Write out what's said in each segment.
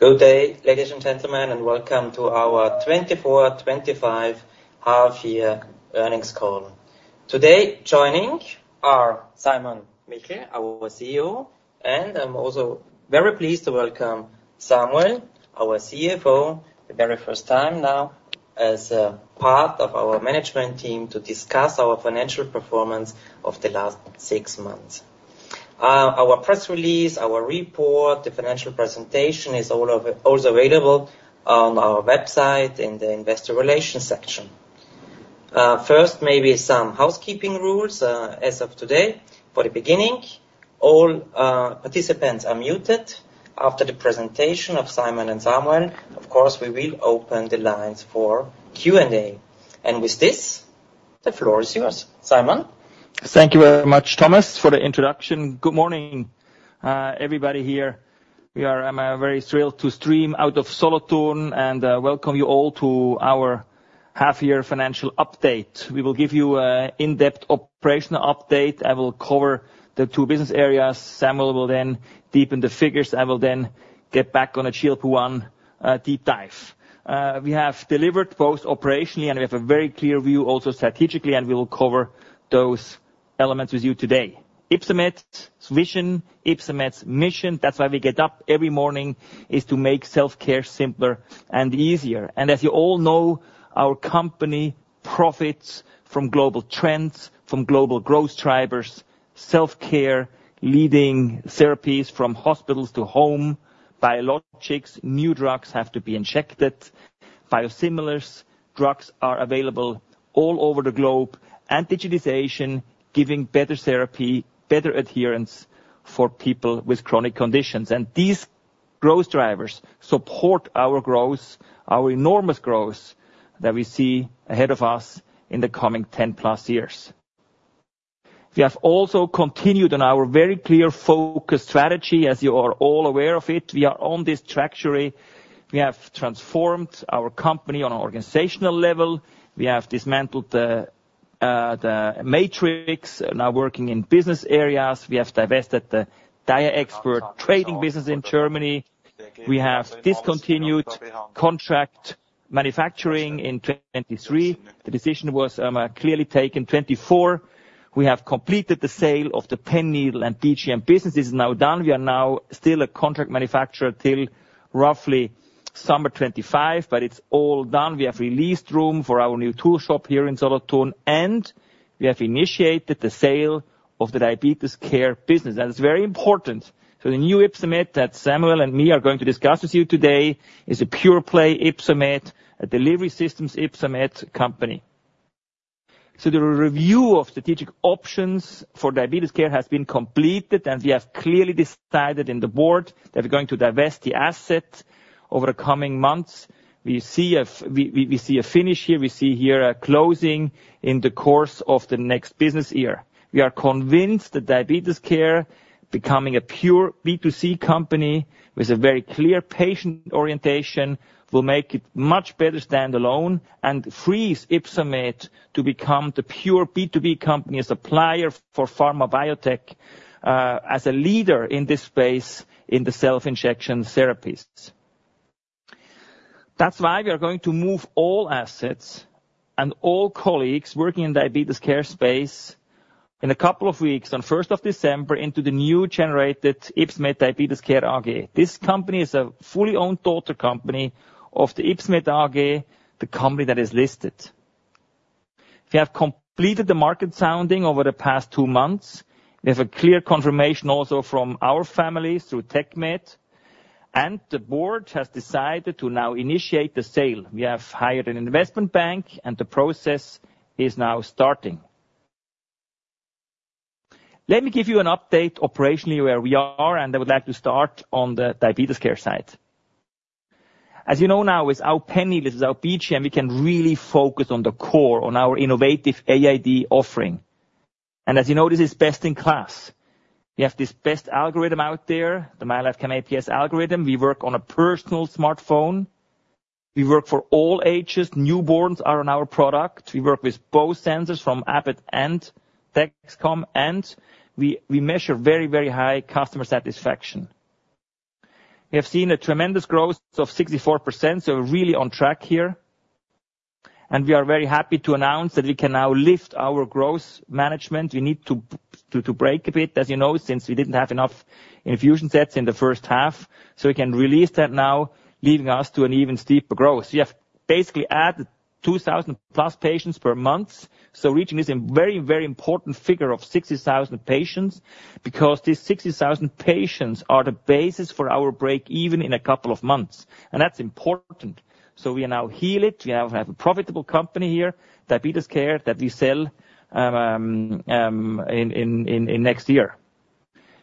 Good day, ladies and gentlemen, and welcome to our 2024/25 half-year earnings call. Today joining are Simon Michel, our CEO, and I'm also very pleased to welcome Samuel, our CFO, the very first time now as a part of our management team to discuss our financial performance of the last six months. Our press release, our report, the financial presentation is also available on our website in the investor relations section. First, maybe some housekeeping rules as of today. For the beginning, all participants are muted. After the presentation of Simon and Samuel, of course, we will open the lines for Q&A. And with this, the floor is yours, Simon. Thank you very much, Thomas, for the introduction. Good morning, everybody here. I'm very thrilled to stream out of Solothurn and welcome you all to our half-year financial update. We will give you an in-depth operational update. I will cover the two business areas. Samuel will then deepen the figures. I will then get back on a strategic plan deep dive. We have delivered both operationally, and we have a very clear view also strategically, and we will cover those elements with you today. Ypsomed's vision, Ypsomed's mission, that's why we get up every morning, is to make self-care simpler and easier. As you all know, our company profits from global trends, from global growth drivers, self-care leading therapies from hospitals to home, biologics, new drugs have to be injected, biosimilars, drugs are available all over the globe, and digitization giving better therapy, better adherence for people with chronic conditions. These growth drivers support our growth, our enormous growth that we see ahead of us in the coming 10 plus years. We have also continued on our very clear focus strategy, as you are all aware of it. We are on this trajectory. We have transformed our company on an organizational level. We have dismantled the matrix, now working in business areas. We have divested the DiaExpert trading business in Germany. We have discontinued contract manufacturing in 2023. The decision was clearly taken in 2024. We have completed the sale of the pen needle and BGM business. This is now done. We are now still a contract manufacturer till roughly summer 2025, but it's all done. We have released room for our new tool shop here in Solothurn, and we have initiated the sale of the diabetes care business. That is very important. So the new Ypsomed that Samuel and me are going to discuss with you today is a pure play Ypsomed, a delivery systems Ypsomed company. So the review of strategic options for diabetes care has been completed, and we clearly decided in the board that we're going to divest the asset over the coming months. We see a finish here. We see here a closing in the course of the next business year. We are convinced that diabetes care becoming a pure B2C company with a very clear patient orientation will make it much better standalone and frees Ypsomed to become the pure B2B company supplier for pharma biotech as a leader in this space in the self-injection therapies. That's why we are going to move all assets and all colleagues working in the diabetes care space in a couple of weeks on 1st of December into the new generated Ypsomed Diabetes Care AG. This company is a fully owned daughter company of the Ypsomed AG, the company that is listed. We have completed the market sounding over the past two months. We have a clear confirmation also from our families through TecMed, and the board has decided to now initiate the sale. We have hired an investment bank, and the process is now starting. Let me give you an update operationally where we are, and I would like to start on the diabetes care side. As you know now, with our pen needles, with our BGM, we can really focus on the core, on our innovative AID offering. And as you know, this is best in class. We have this best algorithm out there, the mylife CamAPS FX algorithm. We work on a personal smartphone. We work for all ages. Newborns are on our product. We work with both sensors from Abbott and Dexcom, and we measure very, very high customer satisfaction. We have seen a tremendous growth of 64%, so we're really on track here. And we are very happy to announce that we can now lift our growth management. We need to break a bit, as you know, since we didn't have enough infusion sets in the first half. We can release that now, leading us to an even steeper growth. We have basically added 2,000 plus patients per month, so reaching this very, very important figure of 60,000 patients because these 60,000 patients are the basis for our break even in a couple of months, and that's important. We now have it. We now have a profitable company here, diabetes care that we sell in next year.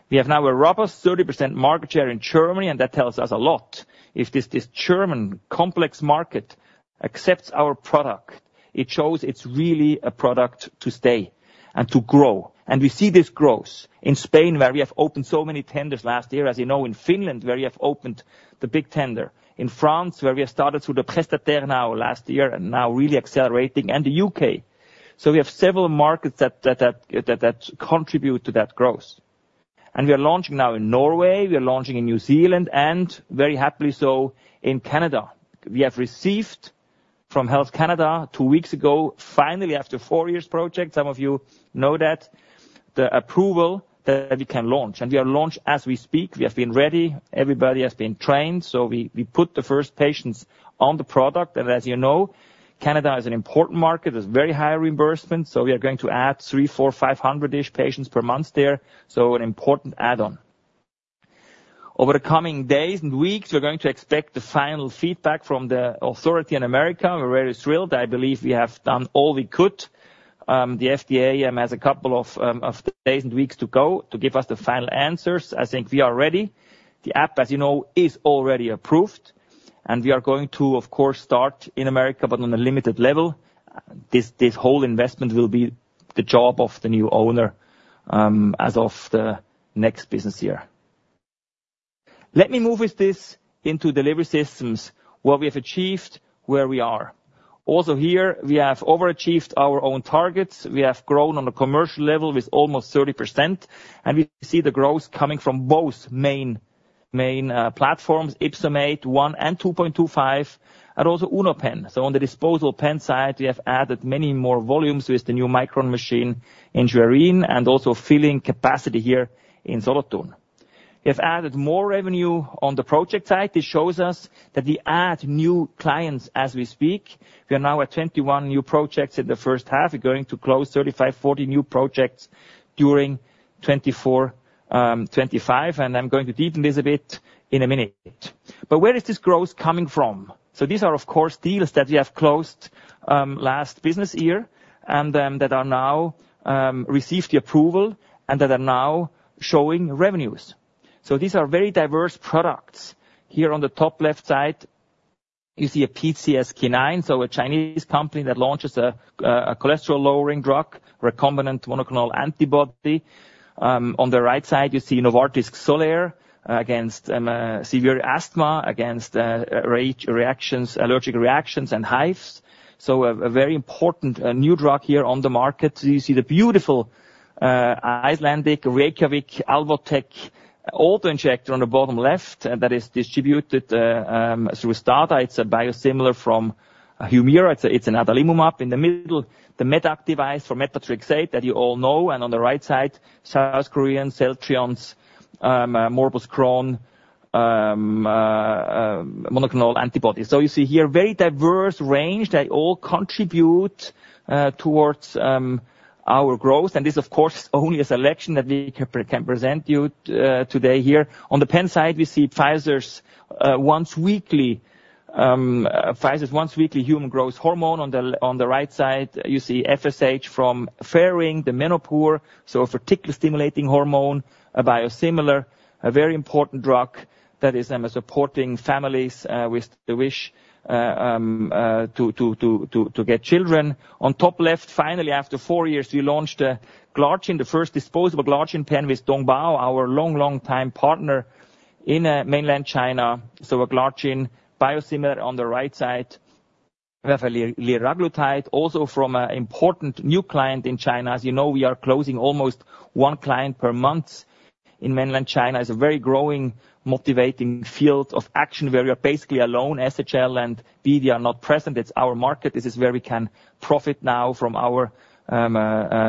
We have now a robust 30% market share in Germany, and that tells us a lot. If this German, complex market accepts our product, it shows it's really a product to stay and to grow. We see this growth in Spain, where we have opened so many tenders last year, as you know, in Finland, where we have opened the big tender, in France, where we have started through the prestataire last year and now really accelerating, and the U.K. We have several markets that contribute to that growth. We are launching now in Norway. We are launching in New Zealand, and very happily so in Canada. We have received from Health Canada two weeks ago, finally, after four-year project, some of you know that, the approval that we can launch. We are launched as we speak. We have been ready. Everybody has been trained. We put the first patients on the product. As you know, Canada is an important market. There's very high reimbursement. So we are going to add three, four, five hundred-ish patients per month there. So an important add-on. Over the coming days and weeks, we're going to expect the final feedback from the authority in America. We're very thrilled. I believe we have done all we could. The FDA has a couple of days and weeks to go to give us the final answers. I think we are ready. The app, as you know, is already approved. And we are going to, of course, start in America, but on a limited level. This whole investment will be the job of the new owner as of the next business year. Let me move with this into delivery systems, what we have achieved, where we are. Also here, we have overachieved our own targets. We have grown on the commercial level with almost 30%. We see the growth coming from both main platforms, YpsoMate 1 and 2.25, and also UnoPen. On the disposable pen side, we have added many more volumes with the new Mikron machine in Schwerin and also filling capacity here in Solothurn. We have added more revenue on the project side. This shows us that we add new clients as we speak. We are now at 21 new projects in the first half. We're going to close 35-40 new projects during 2024, 2025. I'm going to deepen this a bit in a minute. Where is this growth coming from? These are, of course, deals that we have closed last business year and that have now received the approval and that are now showing revenues. These are very diverse products. Here on the top left side, you see a PCSK9, so a Chinese company that launches a cholesterol-lowering drug, recombinant monoclonal antibody. On the right side, you see Novartis Xolair against severe asthma, against allergic reactions and hives. So a very important new drug here on the market. You see the beautiful Icelandic Reykjavik Alvotech auto injector on the bottom left that is distributed through STADA. It's a biosimilar from Humira. It's an adalimumab in the middle, the Medac device for methotrexate that you all know. And on the right side, South Korean Celltrion's Morbus Crohn monoclonal antibodies. So you see here a very diverse range that all contribute towards our growth. And this, of course, is only a selection that we can present to you today here. On the pen side, we see Pfizer's once weekly human growth hormone. On the right side, you see FSH from Ferring, the Menopur, so a follicle-stimulating hormone, a biosimilar, a very important drug that is supporting families with the wish to get children. On top left, finally, after four years, we launched a glargine, the first disposable glargine pen with Dongbao, our long, long-time partner in mainland China, so a glargine biosimilar. On the right side, we have a liraglutide, also from an important new client in China. As you know, we are closing almost one client per month in mainland China. It's a very growing, motivating field of action where we are basically alone. SHL and BD are not present. It's our market. This is where we can profit now from our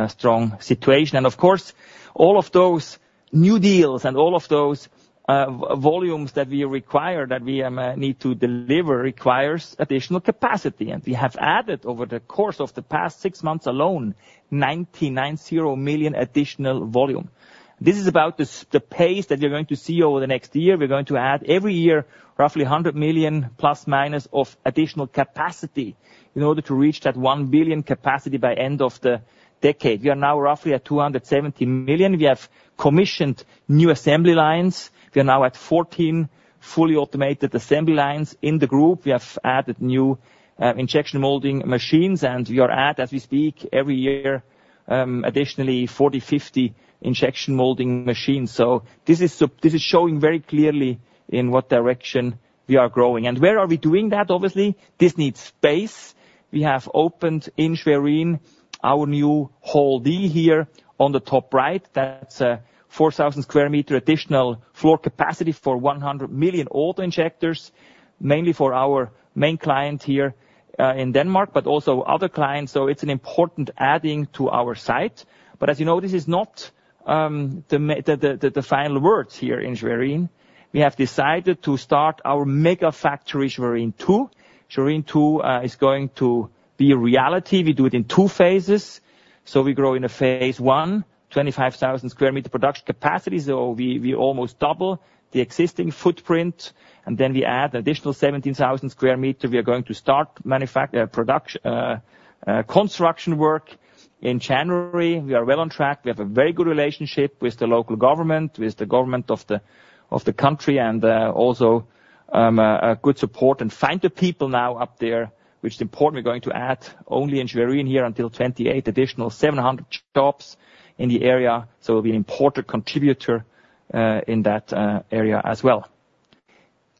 strong situation. And of course, all of those new deals and all of those volumes that we require, that we need to deliver, require additional capacity. We have added, over the course of the past six months alone, 99 million additional volume. This is about the pace that we're going to see over the next year. We're going to add every year roughly 100 million, plus minus, of additional capacity in order to reach that 1 billion capacity by end of the decade. We are now roughly at 270 million. We have commissioned new assembly lines. We are now at 14 fully automated assembly lines in the group. We have added new injection molding machines, and we are at, as we speak, every year, additionally, 40, 50 injection molding machines. So this is showing very clearly in what direction we are growing. And where are we doing that, obviously? This needs space. We have opened in Schwerin our new Hall D here on the top right. That's a 4,000 sq m additional floor capacity for 100 million auto injectors, mainly for our main client here in Denmark, but also other clients, so it's an important addition to our site. But as you know, this is not the final word here in Schwerin. We have decided to start our mega factory Schwerin 2. Schwerin 2 is going to be a reality. We do it in two phases, so we grow in a phase one, 25,000 sq m production capacity, so we almost double the existing footprint, and then we add an additional 17,000 sq m. We are going to start construction work in January. We are well on track. We have a very good relationship with the local government, with the government of the country, and also good support and fine people now up there, which is important. We're going to add only in Schwerin here until 2028, additional 700 shops in the area, so we'll be an important contributor in that area as well.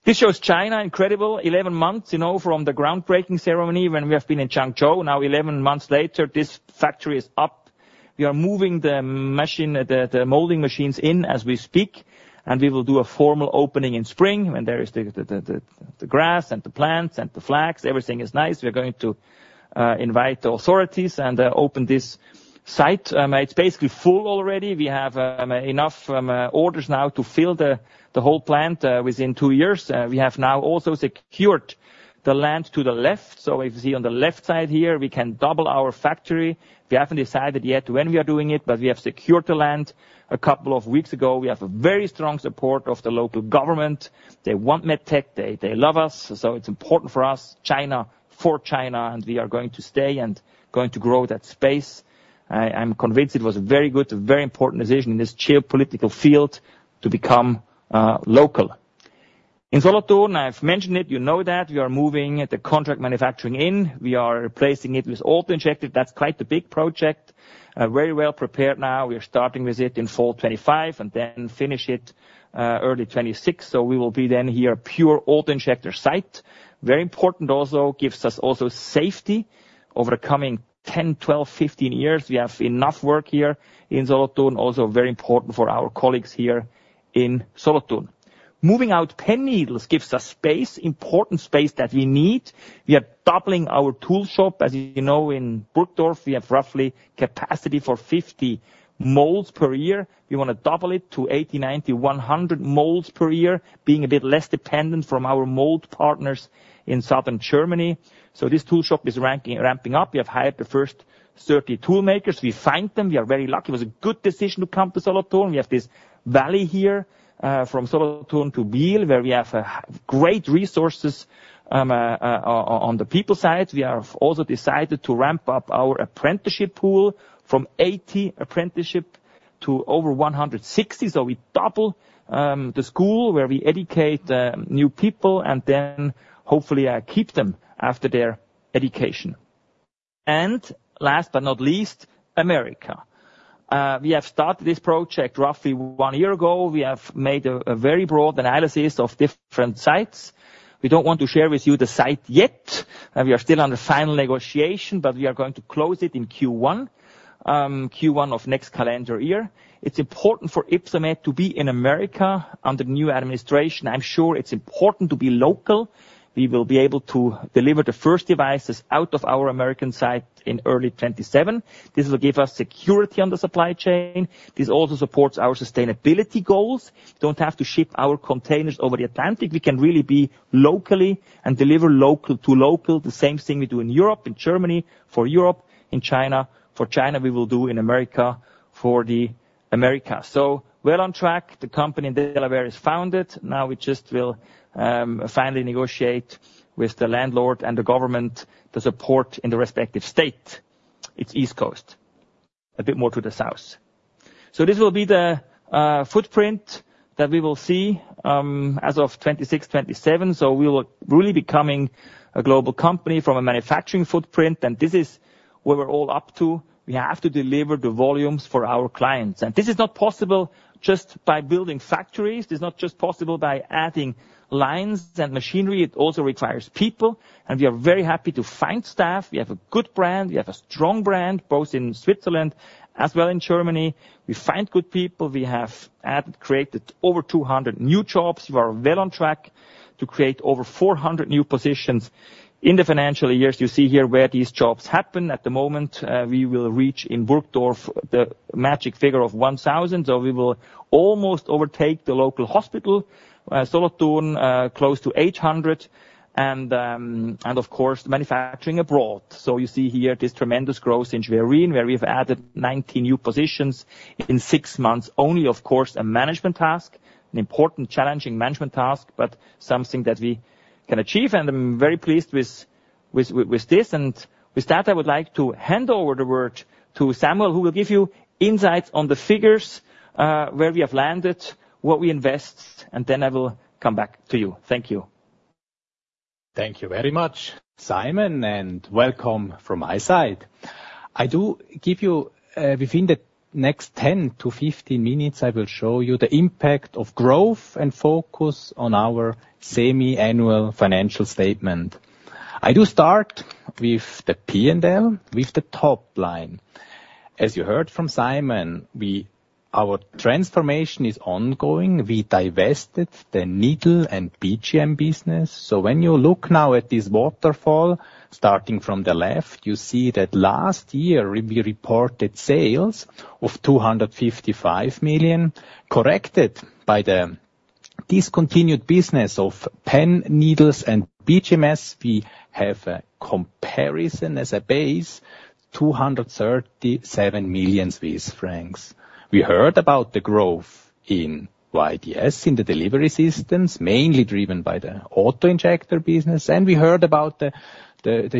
This shows China. Incredible, 11 months from the groundbreaking ceremony when we have been in Changzhou. Now, 11 months later, this factory is up. We are moving the machine, the molding machines in as we speak, and we will do a formal opening in spring. And there is the grass and the plants and the flags. Everything is nice. We are going to invite the authorities and open this site. It's basically full already. We have enough orders now to fill the whole plant within two years. We have now also secured the land to the left, so if you see on the left side here, we can double our factory. We haven't decided yet when we are doing it, but we have secured the land a couple of weeks ago. We have very strong support of the local government. They want MedTech. They love us, so it's important for us, China, for China, and we are going to stay and going to grow that space. I'm convinced it was a very good, very important decision in this geopolitical field to become local. In Solothurn, I've mentioned it. You know that we are moving the contract manufacturing in. We are replacing it with auto injectors. That's quite the big project. Very well prepared now. We are starting with it in fall 2025 and then finish it early 2026, so we will be then here a pure auto injector site. Very important also. Gives us also safety over the coming 10, 12, 15 years. We have enough work here in Solothurn. Also very important for our colleagues here in Solothurn. Moving out pen needles gives us space, important space that we need. We are doubling our tool shop. As you know, in Burgdorf, we have roughly capacity for 50 molds per year. We want to double it to 80, 90, 100 molds per year, being a bit less dependent from our mold partners in southern Germany. So this tool shop is ramping up. We have hired the first 30 toolmakers. We find them. We are very lucky. It was a good decision to come to Solothurn. We have this valley here from Solothurn to Biel, where we have great resources on the people side. We have also decided to ramp up our apprenticeship pool from 80 apprenticeships to over 160. So we double the school where we educate new people and then hopefully keep them after their education. Last but not least, America. We have started this project roughly one year ago. We have made a very broad analysis of different sites. We don't want to share with you the site yet. We are still under final negotiation, but we are going to close it in Q1, Q1 of next calendar year. It's important for Ypsomed to be in America under the new administration. I'm sure it's important to be local. We will be able to deliver the first devices out of our American site in early 2027. This will give us security on the supply chain. This also supports our sustainability goals. Don't have to ship our containers over the Atlantic. We can really be locally and deliver local to local, the same thing we do in Europe, in Germany for Europe, in China. For China, we will do in America for the Americas. Well on track. The company in Delaware is founded. Now we just will finally negotiate with the landlord and the government to support in the respective state. It's East Coast, a bit more to the south. This will be the footprint that we will see as of 2026, 2027. We will really be coming a global company from a manufacturing footprint. And this is what we're all up to. We have to deliver the volumes for our clients. And this is not possible just by building factories. It's not just possible by adding lines and machinery. It also requires people. And we are very happy to find staff. We have a good brand. We have a strong brand, both in Switzerland as well in Germany. We find good people. We have created over 200 new jobs. We are well on track to create over 400 new positions in the financial years. You see here where these jobs happen. At the moment, we will reach in Burgdorf the magic figure of 1,000, so we will almost overtake the local hospital, Solothurn, close to 800, and of course, manufacturing abroad. You see here this tremendous growth in Schwerin, where we have added 19 new positions in six months. Only, of course, a management task, an important challenging management task, but something that we can achieve. I am very pleased with this. With that, I would like to hand over the word to Samuel, who will give you insights on the figures, where we have landed, what we invest, and then I will come back to you. Thank you. Thank you very much, Simon. Welcome from my side. I do give you, within the next 10 to 15 minutes, I will show you the impact of growth and focus on our semi-annual financial statement. I do start with the P&L, with the top line. As you heard from Simon, our transformation is ongoing. We divested the needle and BGM business. So when you look now at this waterfall, starting from the left, you see that last year, we reported sales of 255 million, corrected by the discontinued business of pen needles and BGMS. We have a comparison as a base, 237 million Swiss francs. We heard about the growth in YDS in the delivery systems, mainly driven by the auto injector business. And we heard about the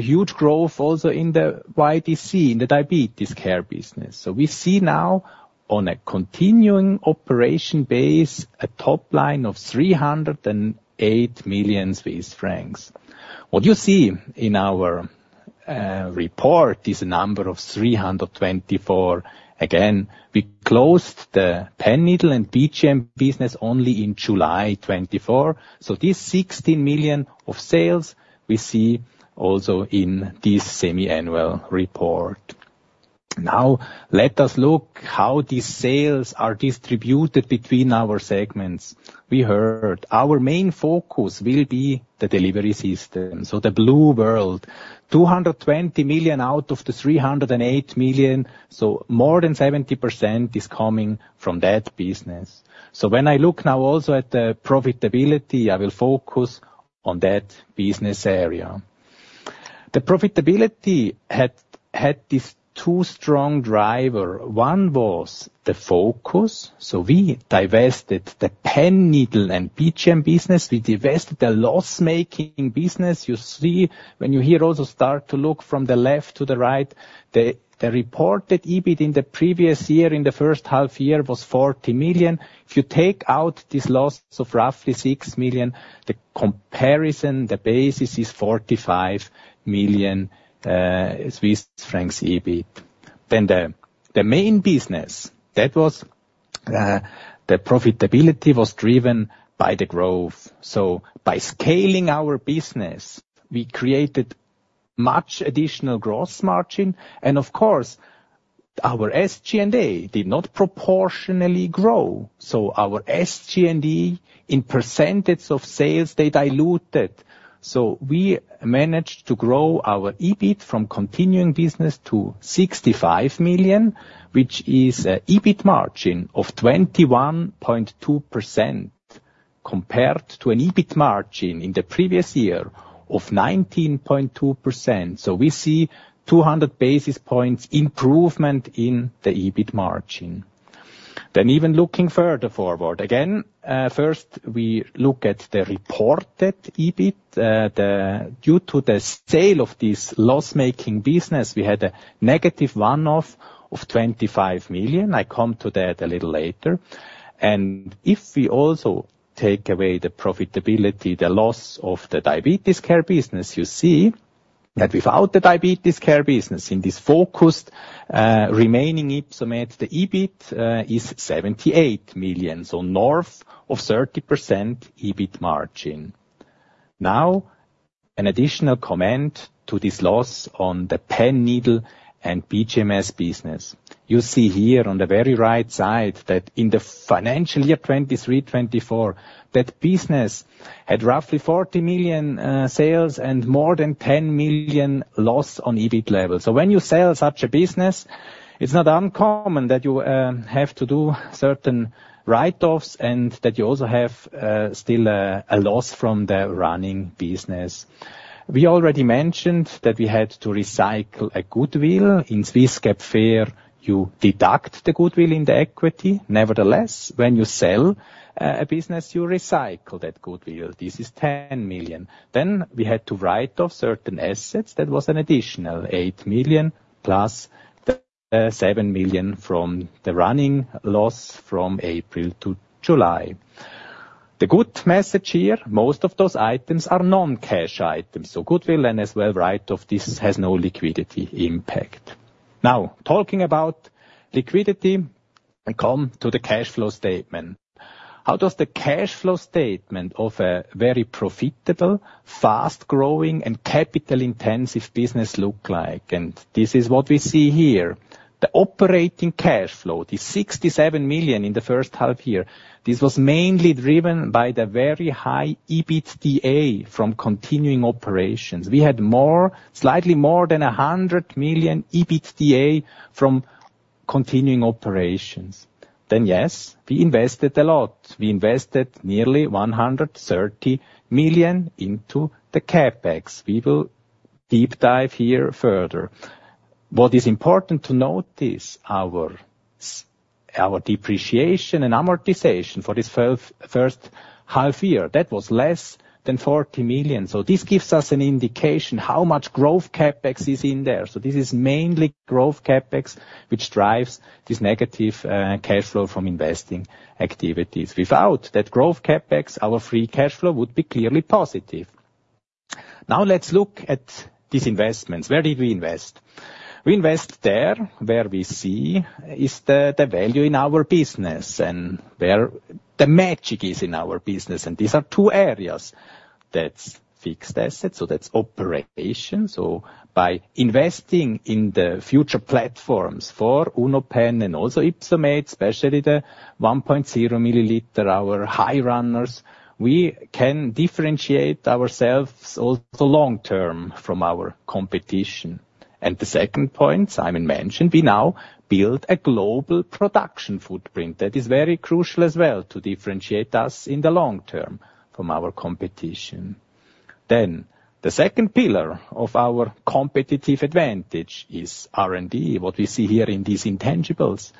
huge growth also in the YDC, in the diabetes care business. So we see now, on a continuing operation base, a top line of 308 million Swiss francs. What you see in our report is a number of 324 million. Again, we closed the pen needle and BGM business only in July 2024. So this 16 million of sales, we see also in this semi-annual report. Now, let us look at how these sales are distributed between our segments. We heard our main focus will be the delivery system. So the blue world, 220 million out of the 308 million. So more than 70% is coming from that business. So when I look now also at the profitability, I will focus on that business area. The profitability had this two strong drivers. One was the focus. So we divested the pen needle and BGM business. We divested the loss-making business. You see, when you're here also start to look from the left to the right, the reported EBIT in the previous year, in the first half year, was 40 million. If you take out this loss of roughly 6 million, the comparison, the basis is 45 million Swiss francs EBIT. Then the main business, that was the profitability was driven by the growth. So by scaling our business, we created much additional gross margin. And of course, our SG&A did not proportionally grow. So our SG&A in percentage of sales, they diluted. So we managed to grow our EBIT from continuing business to 65 million, which is an EBIT margin of 21.2% compared to an EBIT margin in the previous year of 19.2%. So we see 200 basis points improvement in the EBIT margin. Then even looking further forward, again, first we look at the reported EBIT. Due to the sale of this loss-making business, we had a negative one-off of 25 million. I come to that a little later. And if we also take away the profitability, the loss of the diabetes care business, you see that without the diabetes care business, in this focused remaining Ypsomed, the EBIT is 78 million. So north of 30% EBIT margin. Now, an additional comment to this loss on the pen needle and BGMS business. You see here on the very right side that in the financial year 2023, 2024, that business had roughly 40 million sales and more than 10 million loss on EBIT level. So when you sell such a business, it's not uncommon that you have to do certain write-offs and that you also have still a loss from the running business. We already mentioned that we had to recycle a goodwill. In Swiss GAAP, you deduct the goodwill in the equity. Nevertheless, when you sell a business, you recycle that goodwill. This is 10 million. Then we had to write off certain assets. That was an additional 8 million plus 7 million from the running loss from April to July. The good message here, most of those items are non-cash items. So goodwill and as well write-off, this has no liquidity impact. Now, talking about liquidity, I come to the cash flow statement. How does the cash flow statement of a very profitable, fast-growing, and capital-intensive business look like? And this is what we see here. The operating cash flow, the 67 million in the first half year, this was mainly driven by the very high EBITDA from continuing operations. We had slightly more than 100 million EBITDA from continuing operations. Then yes, we invested a lot. We invested nearly 130 million into the CapEx. We will deep dive here further. What is important to note is our depreciation and amortization for this first half year. That was less than 40 million. So this gives us an indication how much growth CapEx is in there. So this is mainly growth CapEx, which drives this negative cash flow from investing activities. Without that growth CapEx, our free cash flow would be clearly positive. Now let's look at these investments. Where did we invest? We invest there where we see is the value in our business and where the magic is in our business. And these are two areas. That's fixed assets. So that's operations. So by investing in the future platforms for UnoPen and also YpsoMate, especially the 1.0 milliliter, our high runners, we can differentiate ourselves also long-term from our competition. The second point Simon mentioned, we now build a global production footprint. That is very crucial as well to differentiate us in the long term from our competition. The second pillar of our competitive advantage is R&D, what we see here in these intangibles.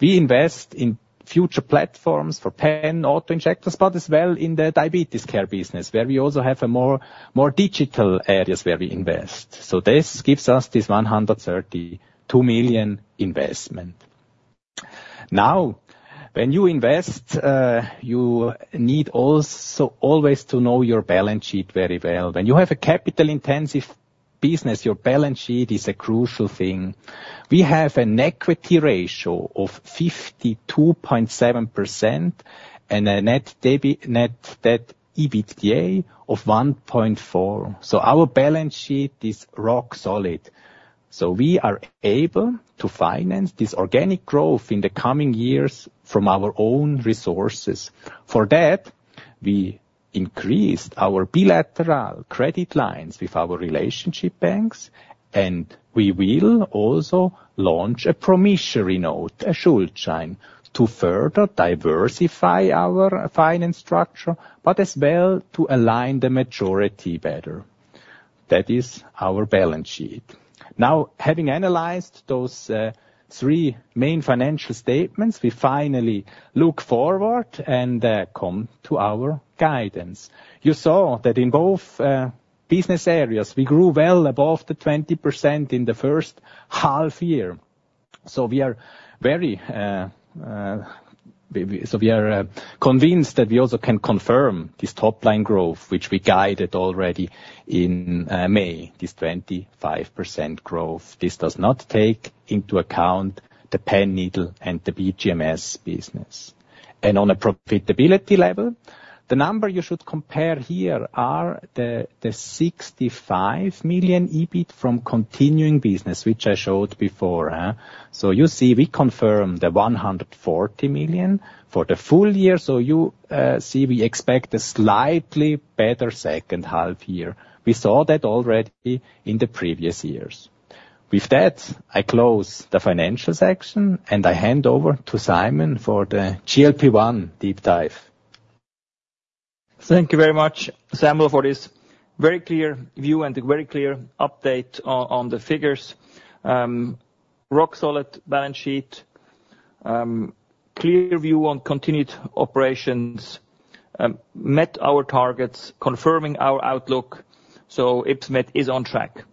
We invest in future platforms for pen auto injectors, but as well in the diabetes care business, where we also have more digital areas where we invest. This gives us this 132 million investment. Now, when you invest, you need also always to know your balance sheet very well. When you have a capital-intensive business, your balance sheet is a crucial thing. We have an equity ratio of 52.7% and a net debt EBITDA of 1.4. Our balance sheet is rock solid. We are able to finance this organic growth in the coming years from our own resources. For that, we increased our bilateral credit lines with our relationship banks, and we will also launch a promissory note, a Schuldschein, to further diversify our finance structure, but as well to align the majority better. That is our balance sheet. Now, having analyzed those three main financial statements, we finally look forward and come to our guidance. You saw that in both business areas, we grew well above the 20% in the first half year. So we are very convinced that we also can confirm this top line growth, which we guided already in May, this 25% growth. This does not take into account the pen needle and the BGMS business. And on a profitability level, the number you should compare here are the 65 million EBIT from continuing business, which I showed before. So you see we confirm the 140 million for the full year. You see, we expect a slightly better second half year. We saw that already in the previous years. With that, I close the financial section, and I hand over to Simon for the GLP-1 deep dive. Thank you very much, Samuel, for this very clear view and a very clear update on the figures. Rock solid balance sheet, clear view on continued operations, met our targets, confirming our outlook. So Ypsomed is on track.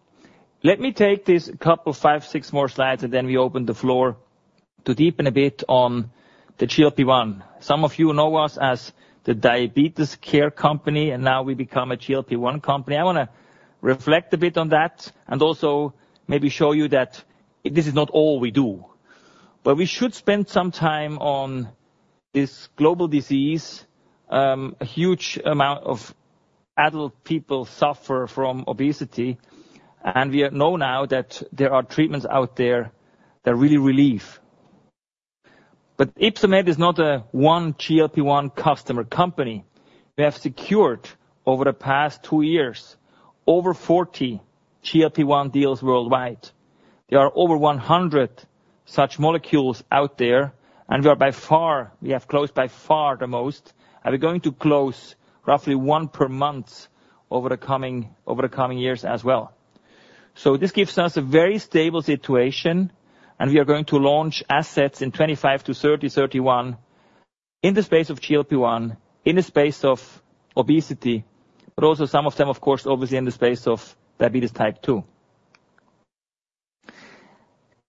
Let me take this couple, five, six more slides, and then we open the floor to deepen a bit on the GLP-1. Some of you know us as the diabetes care company, and now we become a GLP-1 company. I want to reflect a bit on that and also maybe show you that this is not all we do. But we should spend some time on this global disease. A huge amount of adult people suffer from obesity, and we know now that there are treatments out there that really relieve, but Ypsomed is not a one GLP-1 customer company. We have secured over the past two years over 40 GLP-1 deals worldwide. There are over 100 such molecules out there, and we are by far, we have closed by far the most, and we're going to close roughly one per month over the coming years as well. So this gives us a very stable situation, and we are going to launch assets in 2025-2030, 2031 in the space of GLP-1, in the space of obesity, but also some of them, of course, obviously in the space of diabetes type 2,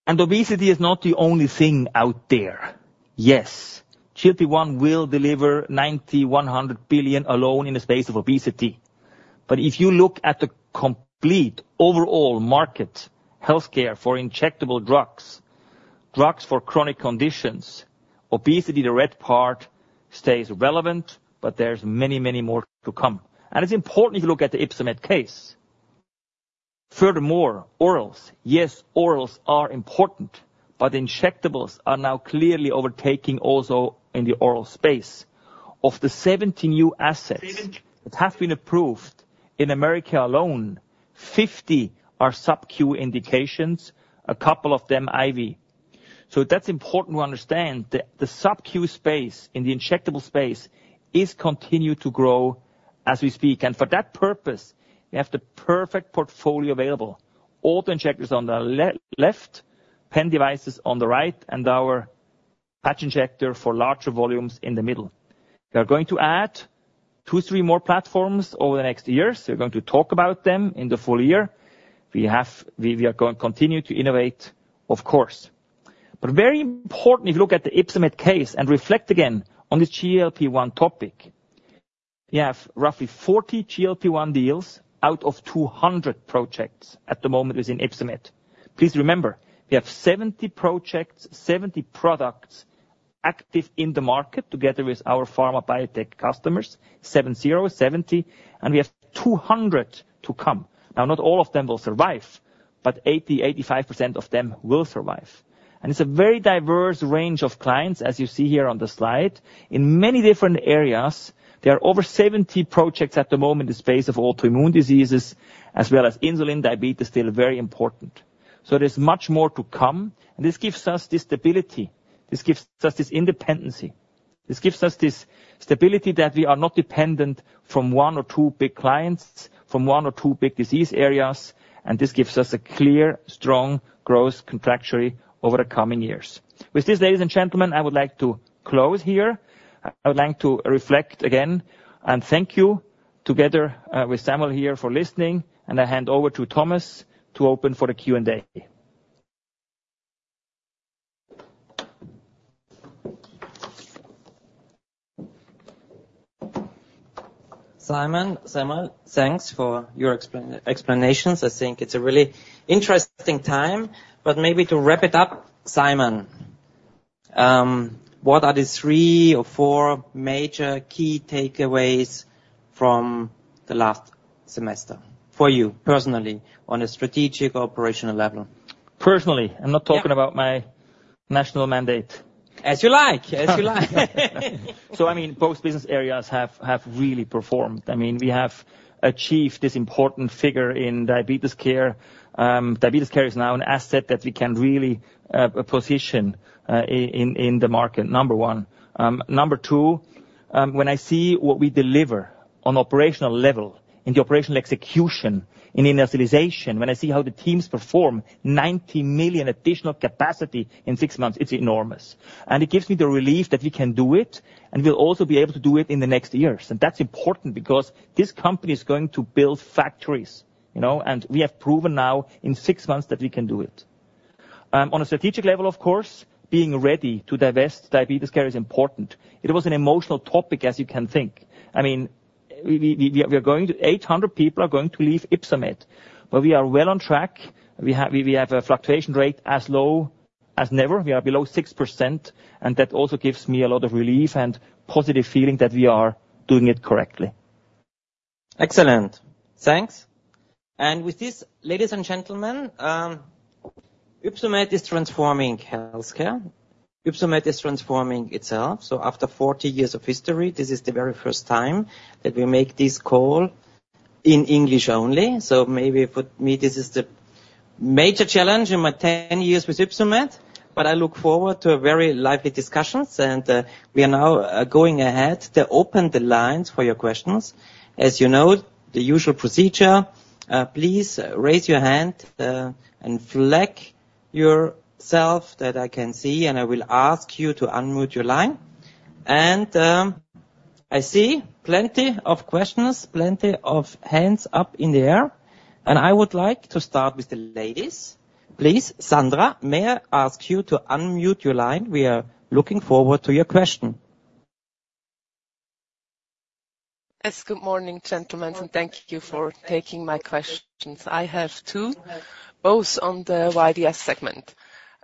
and obesity is not the only thing out there. Yes, GLP-1 will deliver 9-100 billion alone in the space of obesity. But if you look at the complete overall market, health care for injectable drugs, drugs for chronic conditions, obesity, the red part stays relevant, but there's many, many more to come. And it's important if you look at the Ypsomed case. Furthermore, orals, yes, orals are important, but injectables are now clearly overtaking also in the oral space. Of the 70 new assets that have been approved in America alone, 50 are sub-Q indications, a couple of them IV. So that's important to understand that the sub-Q space in the injectable space is continuing to grow as we speak. And for that purpose, we have the perfect portfolio available. All the injectors on the left, pen devices on the right, and our patch injector for larger volumes in the middle. We are going to add two or three more platforms over the next year. We're going to talk about them in the full year. We are going to continue to innovate, of course. But very important, if you look at the Ypsomed case and reflect again on this GLP-1 topic, we have roughly 40 GLP-1 deals out of 200 projects at the moment within Ypsomed. Please remember, we have 70 projects, 70 products active in the market together with our pharma biotech customers, 70, 70, and we have 200 to come. Now, not all of them will survive, but 80%-85% of them will survive. And it's a very diverse range of clients, as you see here on the slide. In many different areas, there are over 70 projects at the moment in the space of autoimmune diseases, as well as insulin, diabetes, still very important. So there's much more to come. And this gives us this stability. This gives us this independency. This gives us this stability that we are not dependent from one or two big clients, from one or two big disease areas, and this gives us a clear, strong growth trajectory over the coming years. With this, ladies and gentlemen, I would like to close here. I would like to reflect again and thank you together with Samuel here for listening, and I hand over to Thomas to open for the Q&A. Simon, Samuel, thanks for your explanations. I think it's a really interesting time. Maybe to wrap it up, Simon, what are the three or four major key takeaways from the last semester for you personally on a strategic operational level? Personally, I'm not talking about my national mandate. As you like, as you like. I mean, both business areas have really performed. I mean, we have achieved this important figure in diabetes care. Diabetes care is now an asset that we can really position in the market, number one. Number two, when I see what we deliver on operational level in the operational execution, in initialization, when I see how the teams perform, 90 million additional capacity in six months, it's enormous, and it gives me the relief that we can do it and we'll also be able to do it in the next years. That's important because this company is going to build factories, and we have proven now in six months that we can do it. On a strategic level, of course, being ready to divest diabetes care is important. It was an emotional topic, as you can think. I mean, 800 people are going to leave Ypsomed, but we are well on track. We have a fluctuation rate as low as never. We are below 6%, and that also gives me a lot of relief and positive feeling that we are doing it correctly. Excellent. Thanks. And with this, ladies and gentlemen, Ypsomed is transforming healthcare. Ypsomed is transforming itself. So after 40 years of history, this is the very first time that we make this call in English only. So maybe for me, this is the major challenge in my 10 years with Ypsomed, but I look forward to very lively discussions. And we are now going ahead to open the lines for your questions. As you know, the usual procedure, please raise your hand and flag yourself that I can see, and I will ask you to unmute your line. And I see plenty of questions, plenty of hands up in the air. And I would like to start with the ladies. Please, Sandra, may I ask you to unmute your line? We are looking forward to your question. Yes, good morning, gentlemen, and thank you for taking my questions. I have two, both on the YDS segment.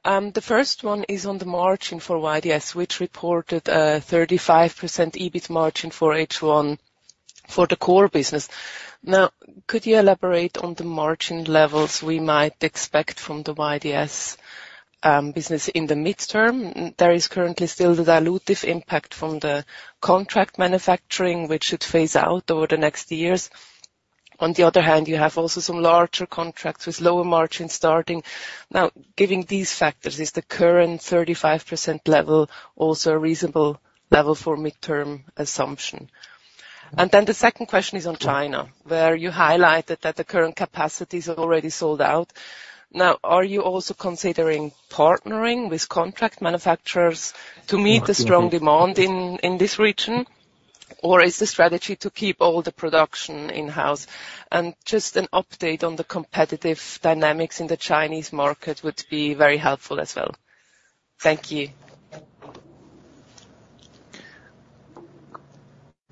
The first one is on the margin for YDS, which reported a 35% EBIT margin for H1 for the core business. Now, could you elaborate on the margin levels we might expect from the YDS business in the midterm? There is currently still the dilutive impact from the contract manufacturing, which should phase out over the next years. On the other hand, you have also some larger contracts with lower margins starting. Now, giving these factors, is the current 35% level also a reasonable level for midterm assumption? And then the second question is on China, where you highlighted that the current capacity is already sold out. Now, are you also considering partnering with contract manufacturers to meet the strong demand in this region, or is the strategy to keep all the production in-house? And just an update on the competitive dynamics in the Chinese market would be very helpful as well. Thank you.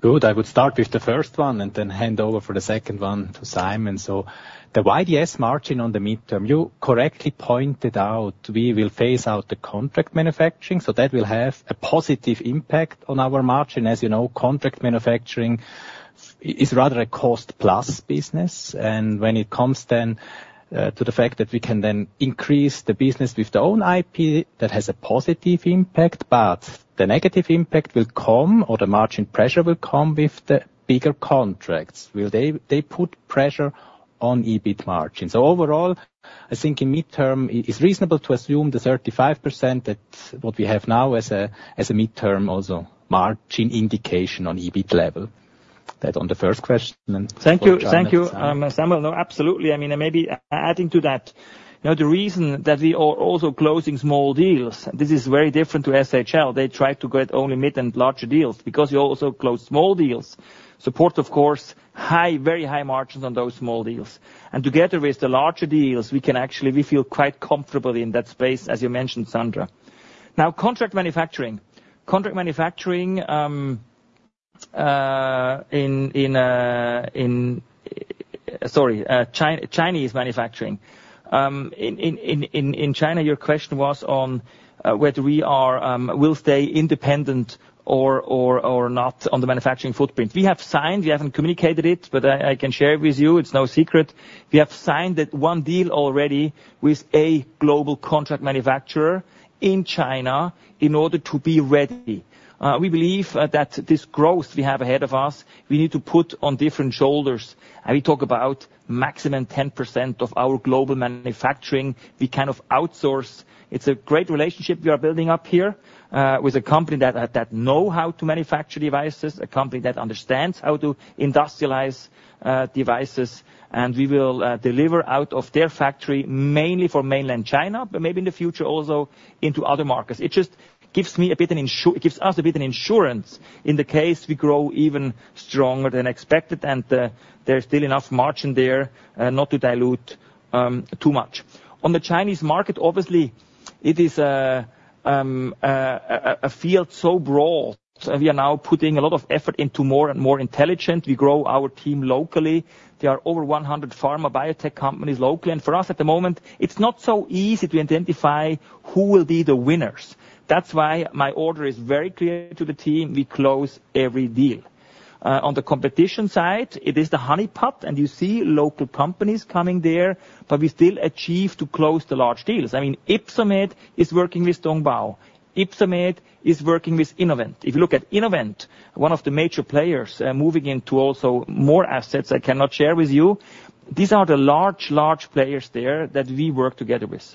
Good. I would start with the first one and then hand over for the second one to Simon. So the YDS margin on the midterm, you correctly pointed out, we will phase out the contract manufacturing, so that will have a positive impact on our margin. As you know, contract manufacturing is rather a cost-plus business. When it comes then to the fact that we can then increase the business with our own IP, that has a positive impact, but the negative impact will come, or the margin pressure will come with the bigger contracts. Will they put pressure on EBIT margin? Overall, I think in the mid-term, it's reasonable to assume the 35% that we have now as a mid-term EBITDA margin indication on EBIT level. That on the first question. Thank you. Thank you, Samuel. No, absolutely. I mean, maybe adding to that, the reason that we are also closing small deals, this is very different to SHL. They try to get only mid and large deals because we also close small deals. So, of course, very high margins on those small deals. And together with the larger deals, we can actually, we feel quite comfortable in that space, as you mentioned, Sandra. Now, contract manufacturing. Contract manufacturing in, sorry, Chinese manufacturing. In China, your question was on whether we will stay independent or not on the manufacturing footprint. We have signed, we haven't communicated it, but I can share it with you. It's no secret. We have signed that one deal already with a global contract manufacturer in China in order to be ready. We believe that this growth we have ahead of us, we need to put on different shoulders. And we talk about maximum 10% of our global manufacturing. We kind of outsource. It's a great relationship we are building up here with a company that knows how to manufacture devices, a company that understands how to industrialize devices. And we will deliver out of their factory mainly for mainland China, but maybe in the future also into other markets. It just gives me a bit of, it gives us a bit of insurance in the case we grow even stronger than expected, and there's still enough margin there not to dilute too much. On the Chinese market, obviously, it is a field so broad. We are now putting a lot of effort into more and more intelligent. We grow our team locally. There are over 100 pharma biotech companies locally, and for us at the moment, it's not so easy to identify who will be the winners. That's why my order is very clear to the team. We close every deal. On the competition side, it is the honeypot, and you see local companies coming there, but we still achieve to close the large deals. I mean, Ypsomed is working with Dongbao. Ypsomed is working with Innovent. If you look at Innovent, one of the major players moving into also more assets I cannot share with you, these are the large, large players there that we work together with.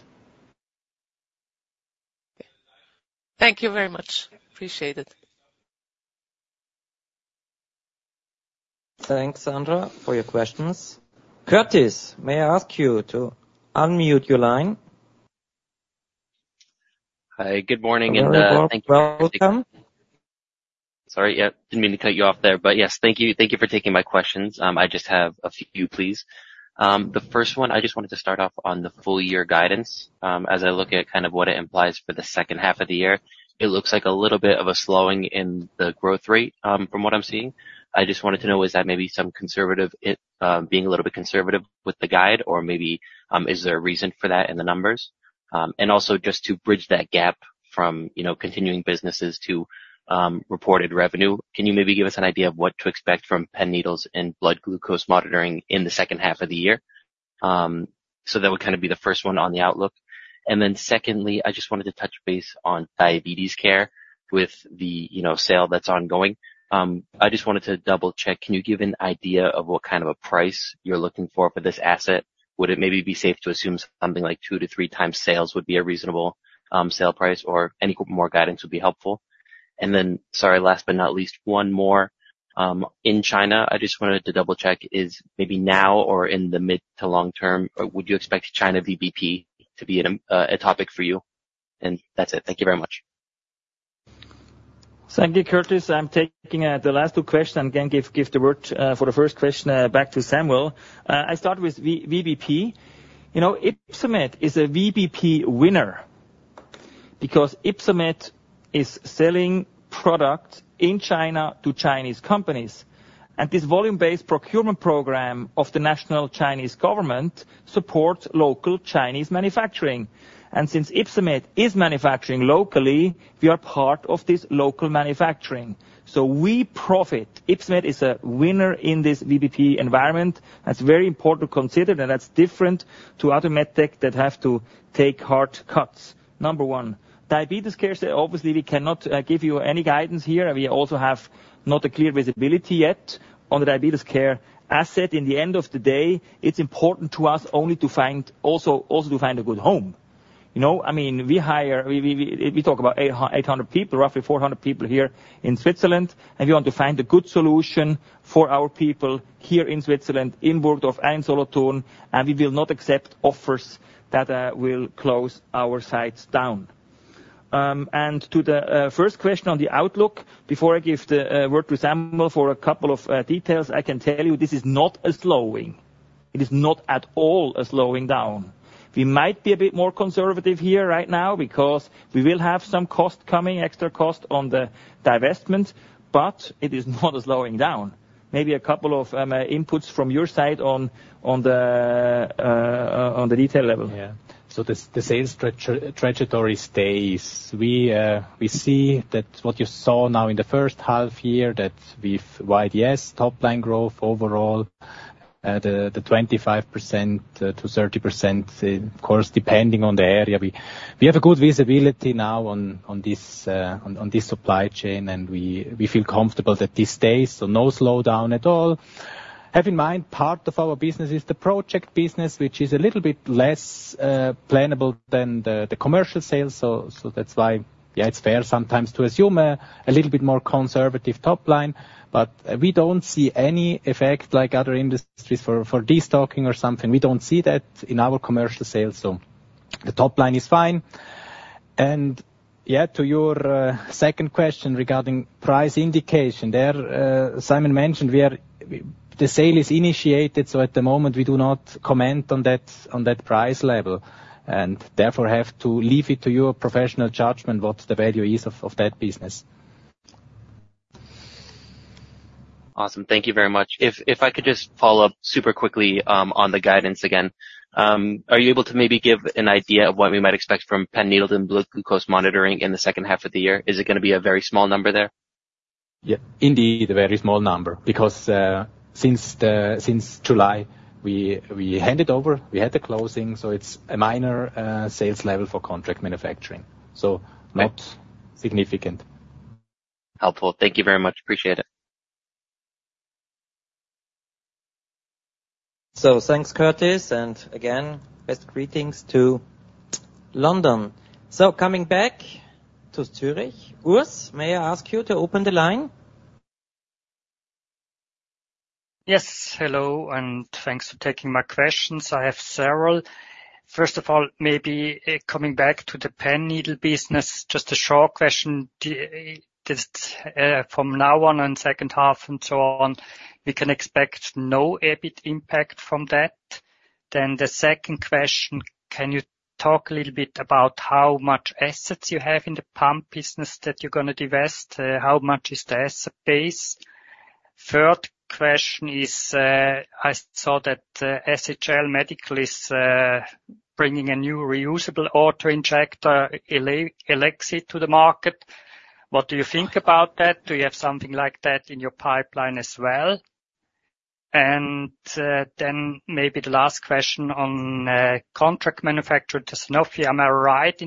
Thank you very much. Appreciate it. Thanks, Sandra, for your questions. Curtis, may I ask you to unmute your line? Hi, good morning. And thank you for coming. Sorry, I didn't mean to cut you off there, but yes, thank you for taking my questions. I just have a few, please. The first one, I just wanted to start off on the full-year guidance. As I look at kind of what it implies for the second half of the year, it looks like a little bit of a slowing in the growth rate from what I'm seeing. I just wanted to know, is that maybe some conservative, being a little bit conservative with the guide, or maybe is there a reason for that in the numbers? And also just to bridge that gap from continuing businesses to reported revenue, can you maybe give us an idea of what to expect from pen needles and blood glucose monitoring in the second half of the year? So that would kind of be the first one on the outlook. And then secondly, I just wanted to touch base on diabetes care with the sale that's ongoing. I just wanted to double-check. Can you give an idea of what kind of a price you're looking for for this asset? Would it maybe be safe to assume something like two-to-three times sales would be a reasonable sale price, or any more guidance would be helpful? And then, sorry, last but not least, one more. In China, I just wanted to double-check, is maybe now or in the mid-to-long term, would you expect China VBP to be a topic for you? And that's it. Thank you very much. Thank you, Curtis. I'm taking the last two questions and then give the word for the first question back to Samuel. I start with VBP. Ypsomed is a VBP winner because Ypsomed is selling products in China to Chinese companies, and this volume-based procurement program of the national Chinese government supports local Chinese manufacturing. And since Ypsomed is manufacturing locally, we are part of this local manufacturing. So we profit. Ypsomed is a winner in this VBP environment. That's very important to consider, and that's different to other medtech that have to take hard cuts. Number one, diabetes care, obviously, we cannot give you any guidance here. We also have not a clear viSibylleity yet on the diabetes care asset. In the end of the day, it's important to us only to find a good home. I mean, we hire, we talk about 800 people, roughly 400 people here in Switzerland, and we want to find a good solution for our people here in Switzerland, in Burgdorf and in Solothurn, and we will not accept offers that will close our sites down. To the first question on the outlook, before I give the word to Samuel for a couple of details, I can tell you this is not a slowing. It is not at all a slowing down. We might be a bit more conservative here right now because we will have some cost coming, extra cost on the divestment, but it is not a slowing down. Maybe a couple of inputs from your side on the detail level. Yeah. So the sales trajectory stays. We see that what you saw now in the first half year that with YDS, top line growth overall, the 25%-30%, of course, depending on the area. We have a good viSibylleity now on this supply chain, and we feel comfortable that this stays, so no slowdown at all. Have in mind, part of our business is the project business, which is a little bit less plannable than the commercial sales. So that's why, yeah, it's fair sometimes to assume a little bit more conservative top line. But we don't see any effect like other industries for destocking or something. We don't see that in our commercial sales. So the top line is fine. Yeah, to your second question regarding price indication, there, Simon mentioned the sale is initiated, so at the moment, we do not comment on that price level and therefore have to leave it to your professional judgment what the value is of that business. Awesome. Thank you very much. If I could just follow up super quickly on the guidance again, are you able to maybe give an idea of what we might expect from pen needle and blood glucose monitoring in the second half of the year? Is it going to be a very small number there? Yeah, indeed, a very small number because since July, we handed over, we had the closing, so it's a minor sales level for contract manufacturing. So not significant. Helpful. Thank you very much. Appreciate it. So thanks, Curtis. And again, best greetings to London. So coming back to Zürich, Urs, may I ask you to open the line? Yes. Hello and thanks for taking my questions. I have several. First of all, maybe coming back to the pen needle business, just a short question. From now on and second half and so on, we can expect no EBIT impact from that. Then the second question, can you talk a little bit about how much assets you have in the pump business that you're going to divest? How much is the asset base? Third question is, I saw that SHL Medical is bringing a new reusable auto injector, Elexy, to the market. What do you think about that? Do you have something like that in your pipeline as well? And then maybe the last question on contract manufacturer, the Sanofi. Am I right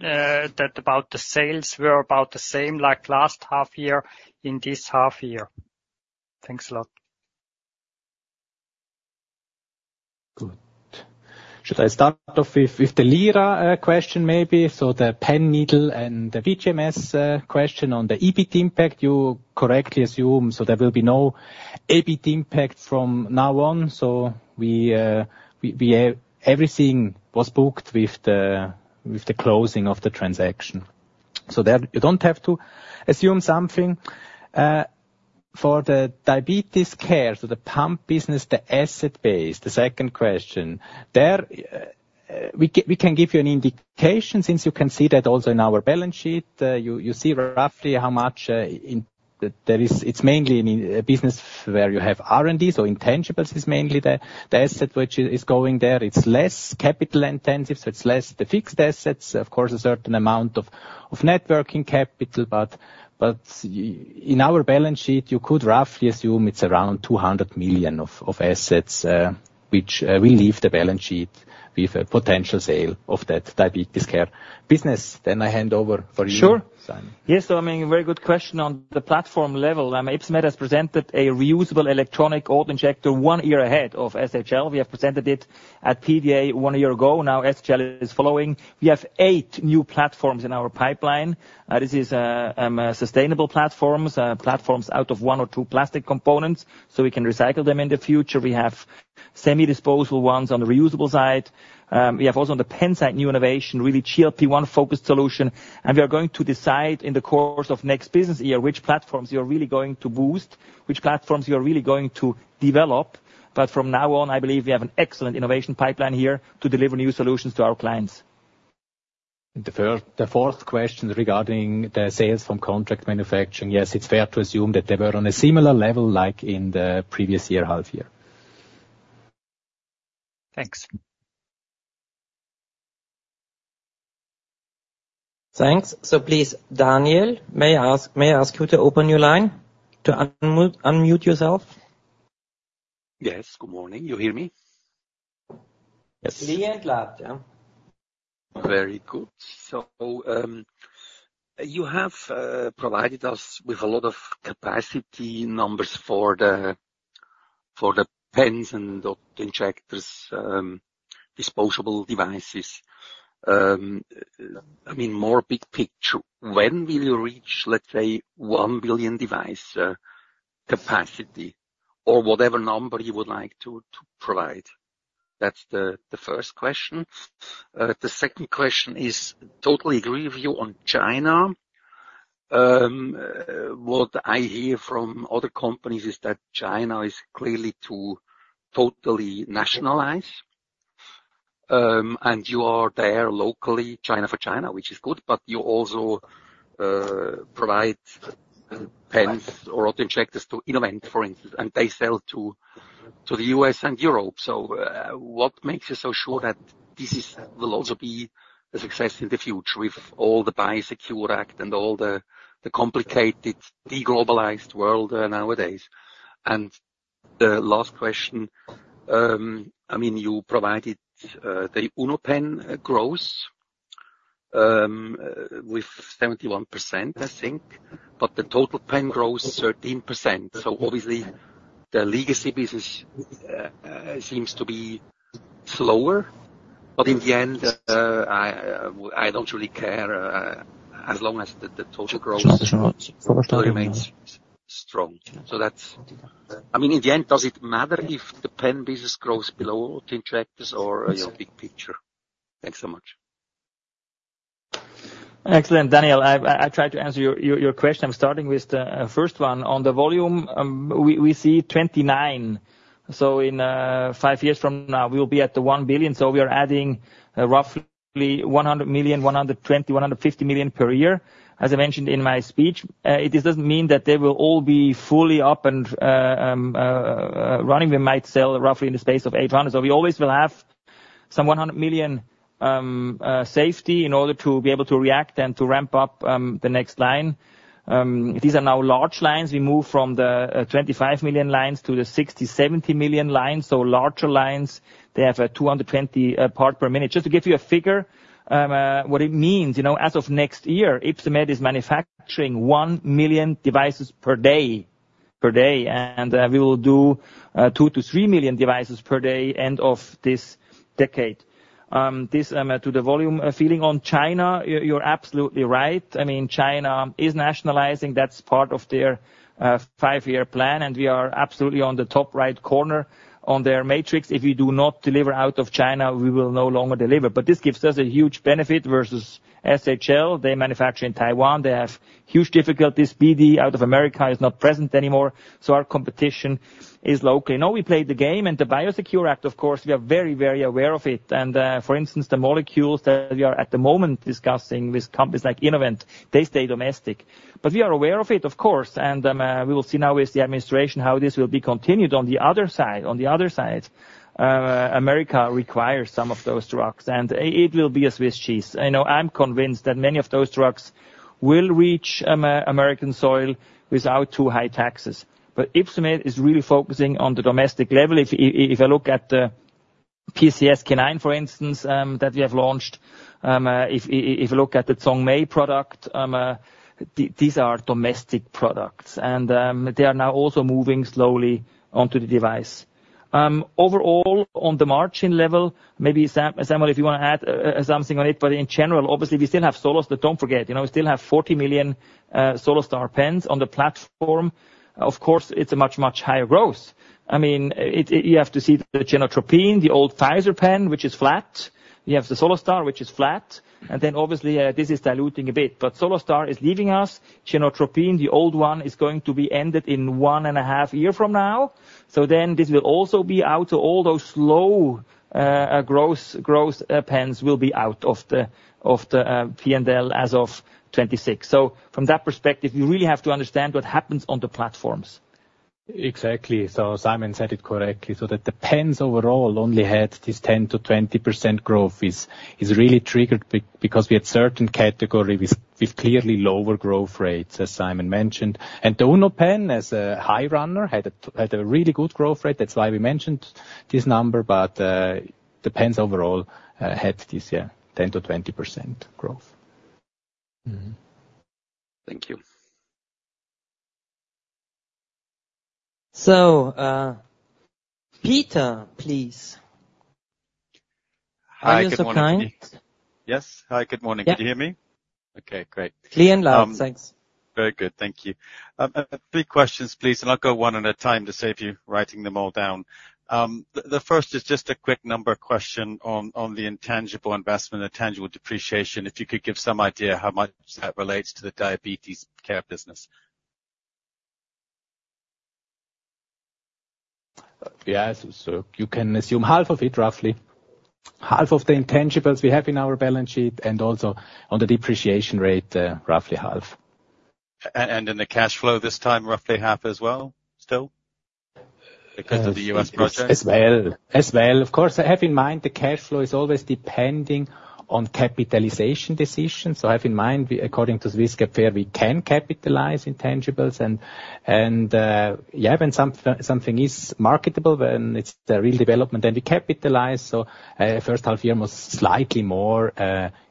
that about the sales were about the same like last half year in this half year? Thanks a lot. Good. Should I start off with the Lilly question maybe, so the pen needle and the BGMS question on the EBIT impact, you correctly assume so there will be no EBIT impact from now on. So everything was booked with the closing of the transaction, so there you don't have to assume something. For the diabetes care, so the pump business, the asset base, the second question, there we can give you an indication since you can see that also in our balance sheet. You see roughly how much there is. It's mainly a business where you have R&D, so intangibles is mainly the asset which is going there. It's less capital intensive, so it's less the fixed assets. Of course, a certain amount of net working capital, but in our balance sheet, you could roughly assume it's around 200 million of assets, which will leave the balance sheet with a potential sale of that diabetes care business. Then I hand over to you, Simon. Sure. Yes. So I mean, very good question on the platform level. I mean, Ypsomed has presented a reusable electronic auto injector one year ahead of SHL. We have presented it at PDA one year ago. Now SHL is following. We have eight new platforms in our pipeline. This is sustainable platforms, platforms out of one or two plastic components, so we can recycle them in the future. We have semi-disposable ones on the reusable side. We have also on the pen side new innovation, really GLP-1 focused solution. We are going to decide in the course of next business year which platforms you're really going to boost, which platforms you're really going to develop. But from now on, I believe we have an excellent innovation pipeline here to deliver new solutions to our clients. The fourth question regarding the sales from contract manufacturing, yes, it's fair to assume that they were on a similar level like in the previous year half year. Thanks. Thanks. So please, Daniel, may I ask you to open your line to unmute yourself? Yes. Good morning. You hear me? Yes. Clear and loud. Very good. So you have provided us with a lot of capacity numbers for the pens and injectors, disposable devices. I mean, more big picture, when will you reach, let's say, one billion device capacity or whatever number you would like to provide? That's the first question. The second question, I totally agree with you on China. What I hear from other companies is that China is clearly to totally nationalize. And you are there locally, China for China, which is good, but you also provide pens or auto injectors to Innovent, for instance, and they sell to the U.S. and Europe. So what makes you so sure that this will also be a success in the future with all the Biosecure Act and all the complicated deglobalized world nowadays? And the last question, I mean, you provided the UnoPen growth with 71%, I think, but the total pen growth, 13%. So obviously, the legacy business seems to be slower, but in the end, I don't really care as long as the total growth remains strong. So that's, I mean, in the end, does it matter if the pen business grows below auto injectors or your big picture? Thanks so much. Excellent. Daniel, I tried to answer your question. I'm starting with the first one. On the volume, we see 29. So in five years from now, we will be at the 1 billion. So we are adding roughly 100 million, 120, 150 million per year. As I mentioned in my speech, it doesn't mean that they will all be fully up and running. We might sell roughly in the space of 800. So we always will have some 100 million safety in order to be able to react and to ramp up the next line. These are now large lines. We moved from the 25 million lines to the 60-70 million lines. So larger lines, they have a 220 parts per minute. Just to give you a figure, what it means, as of next year, Ypsomed is manufacturing 1 million devices per day. And we will do 2-3 million devices per day end of this decade. This to the volume feeling on China, you're absolutely right. I mean, China is nationalizing. That's part of their five-year plan. And we are absolutely on the top right corner on their matrix. If we do not deliver out of China, we will no longer deliver. But this gives us a huge benefit versus SHL. They manufacture in Taiwan. They have huge difficulties. BD out of America is not present anymore. So our competition is locally. No, we played the game. And the Biosecure Act, of course, we are very, very aware of it. And for instance, the molecules that we are at the moment discussing with companies like Innovent, they stay domestic. But we are aware of it, of course. And we will see now with the administration how this will be continued on the other side. On the other side, America requires some of those drugs. And it will be a Swiss cheese. I know, I'm convinced that many of those drugs will reach American soil without too high taxes. But Ypsomed is really focusing on the domestic level. If I look at the PCSK9, for instance, that we have launched, if you look at the Zhongmei product, these are domestic products. And they are now also moving slowly onto the device. Overall, on the margin level, maybe Samuel, if you want to add something on it, but in general, obviously, we still have SoloStar. Don't forget, we still have 40 million SoloStar pens on the platform. Of course, it's a much, much higher growth. I mean, you have to see the Genotropin, the old Pfizer pen, which is flat. You have the SoloStar, which is flat. And then obviously, this is diluting a bit, but SoloStar is leaving us. Genotropin, the old one, is going to be ended in one and a half years from now. So then this will also be out of all those slow growth pens will be out of the P&L as of 2026. So from that perspective, you really have to understand what happens on the platforms. Exactly. So Simon said it correctly. So that the pens overall only had this 10%-20% growth is really triggered because we had certain categories with clearly lower growth rates, as Simon mentioned. And the UnoPen as a high runner had a really good growth rate. That's why we mentioned this number, but the pens overall had this 10%-20% growth. Thank you. So Peter, please. Hi, Mr. Kunz. Yes. Hi, good morning. Can you hear me? Okay, great. Clear and loud. Thanks. Very good. Thank you. Big questions, please. And I'll go one at a time to save you writing them all down. The first is just a quick number question on the intangible investment, the tangible depreciation. If you could give some idea how much that relates to the diabetes care business. Yeah, so you can assume half of it, roughly. Half of the intangibles we have in our balance sheet and also on the depreciation rate, roughly half. And in the cash flow this time, roughly half as well still because of the U.S. project? As well. As well. Of course, I have in mind the cash flow is always depending on capitalization decisions. So I have in mind, according to Swiss GAAP FER, we can capitalize intangibles. Yeah, when something is marketable, when it's a real development, then we capitalize. The first half year was slightly more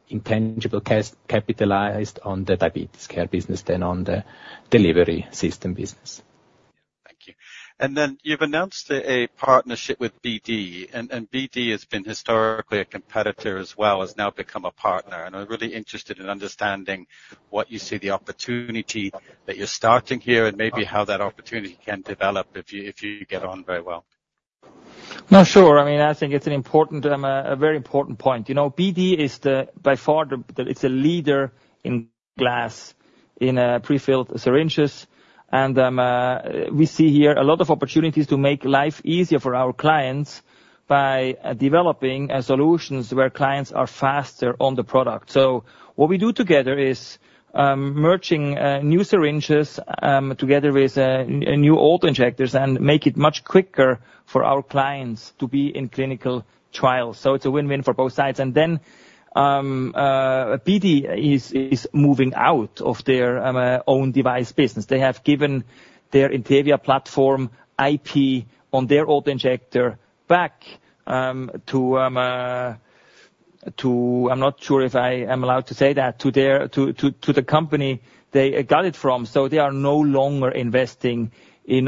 intangible capitalized on the diabetes care business than on the delivery system business. Thank you. You've announced a partnership with BD. BD has been historically a competitor as well, has now become a partner. I'm really interested in understanding what you see the opportunity that you're starting here and maybe how that opportunity can develop if you get on very well. No, sure. I mean, I think it's an important, a very important point. BD is by far the leader in glass in prefilled syringes. We see here a lot of opportunities to make life easier for our clients by developing solutions where clients are faster on the product. What we do together is merging new syringes together with new auto injectors and make it much quicker for our clients to be in clinical trials. It's a win-win for both sides. Then BD is moving out of their own device business. They have given their Intevia platform IP on their auto injector back to, I'm not sure if I am allowed to say that, to the company they got it from. They are no longer investing in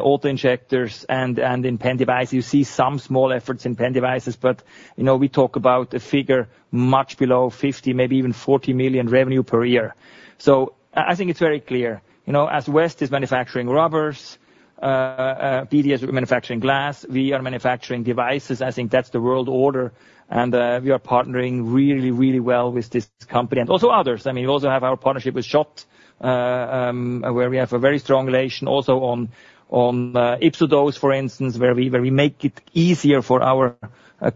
auto injectors and in pen devices. You see some small efforts in pen devices, but we talk about a figure much below 50 million, maybe even 40 million revenue per year. I think it's very clear. As West is manufacturing rubbers, BD is manufacturing glass, we are manufacturing devices. I think that's the world order. And we are partnering really, really well with this company and also others. I mean, we also have our partnership with Schott, where we have a very strong relation also on YpsoDose, for instance, where we make it easier for our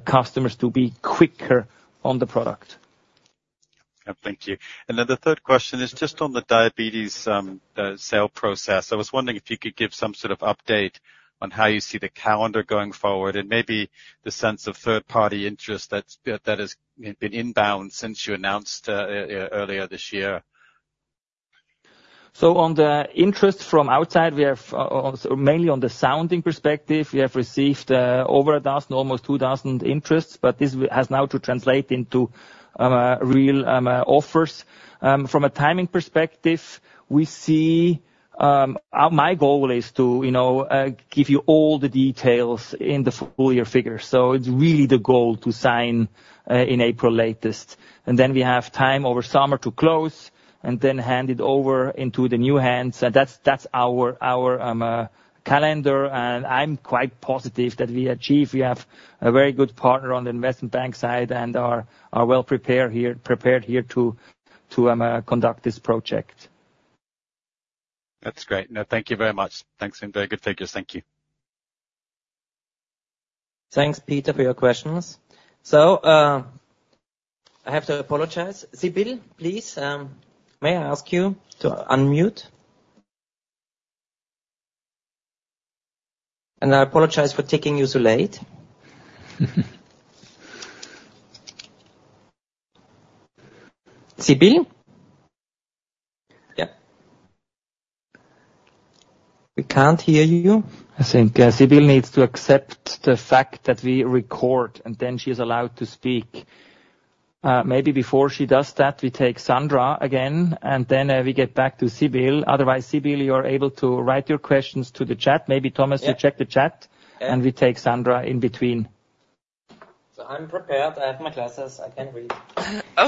customers to be quicker on the product. Thank you. And then the third question is just on the diabetes sale process. I was wondering if you could give some sort of update on how you see the calendar going forward and maybe the sense of third-party interest that has been inbound since you announced earlier this year. So on the interest from outside, we have mainly on the sounding perspective, we have received over a dozen, almost 2,000 interests, but this has now to translate into real offers. From a timing perspective, we see my goal is to give you all the details in the full year figure. So it's really the goal to sign in April latest. And then we have time over summer to close and then hand it over into the new hands. And that's our calendar. And I'm quite positive that we achieve. We have a very good partner on the investment bank side and are well prepared here to conduct this project. That's great. No, thank you very much. Thanks, Simon. Good figures. Thank you. Thanks, Peter, for your questions. So I have to apologize. Sibylle, please, may I ask you to unmute? And I apologize for taking you so late. Sibylle? Yeah. We can't hear you. I think Sibylle needs to accept the fact that we record and then she is allowed to speak. Maybe before she does that, we take Sandra again and then we get back to Sibylle. Otherwise, Sibylle, you're able to write your questions to the chat. Maybe Thomas, you check the chat and we take Sandra in between. I'm prepared. I have my glasses. I can read.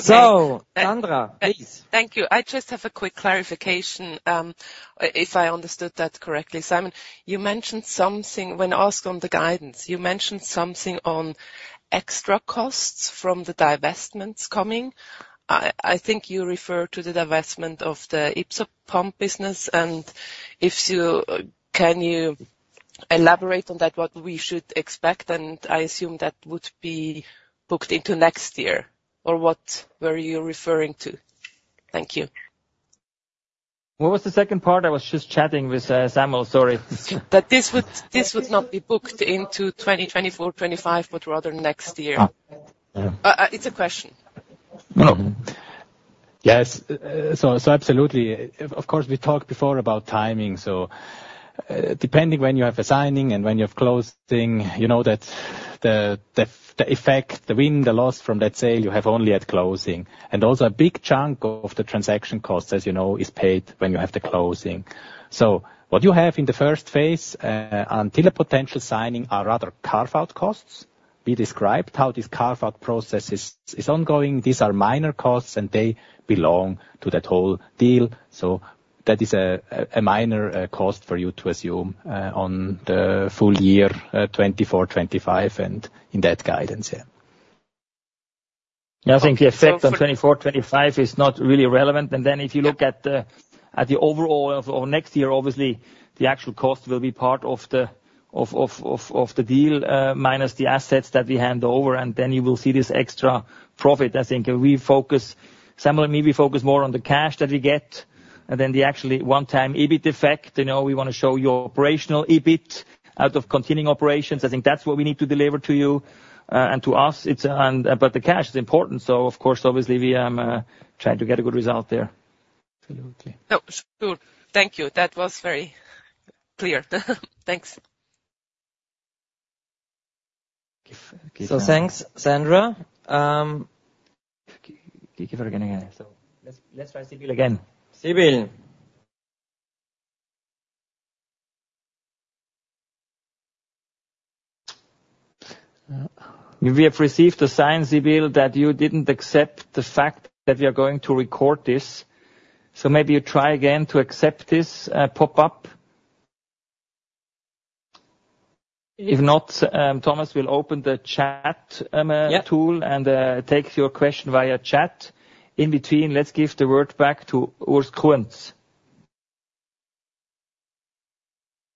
So, Sandra, please. Thank you. I just have a quick clarification if I understood that correctly. Simon, you mentioned something when asked on the guidance. You mentioned something on extra costs from the divestments coming. I think you referred to the divestment of the YpsoPump business. And if you can elaborate on that, what we should expect, and I assume that would be booked into next year. Or what were you referring to? Thank you. What was the second part? I was just chatting with Samuel, sorry. That this would not be booked into 2024, 2025, but rather next year. It's a question. Yes. So absolutely. Of course, we talked before about timing. So depending when you have a signing and when you have closing, you know that the effect, the win, the loss from that sale, you have only at closing. And also a big chunk of the transaction costs, as you know, is paid when you have the closing. So what you have in the first phase until a potential signing are rather carve-out costs. We described how this carve-out process is ongoing. These are minor costs and they belong to that whole deal. So that is a minor cost for you to assume on the full year, 2024, 2025, and in that guidance, yeah. Yeah, I think the effect on 2024, 2025 is not really relevant. And then if you look at the overall of next year, obviously, the actual cost will be part of the deal minus the assets that we hand over. And then you will see this extra profit. I think we focus, Samuel, maybe focus more on the cash that we get and then the actual one-time EBIT effect. We want to show you our operational EBIT out of continuing operations. I think that's what we need to deliver to you and to us. But the cash is important. So of course, obviously, we are trying to get a good result there. Absolutely. Sure. Thank you. That was very clear. Thanks. So thanks, Sandra. Give her again. So let's try Sibylle again. Sibylle. We have received a sign, Sibylle, that you didn't accept the fact that we are going to record this. So maybe you try again to accept this pop-up. If not, Thomas will open the chat tool and take your question via chat. In between, let's give the word back to Urs Kunz.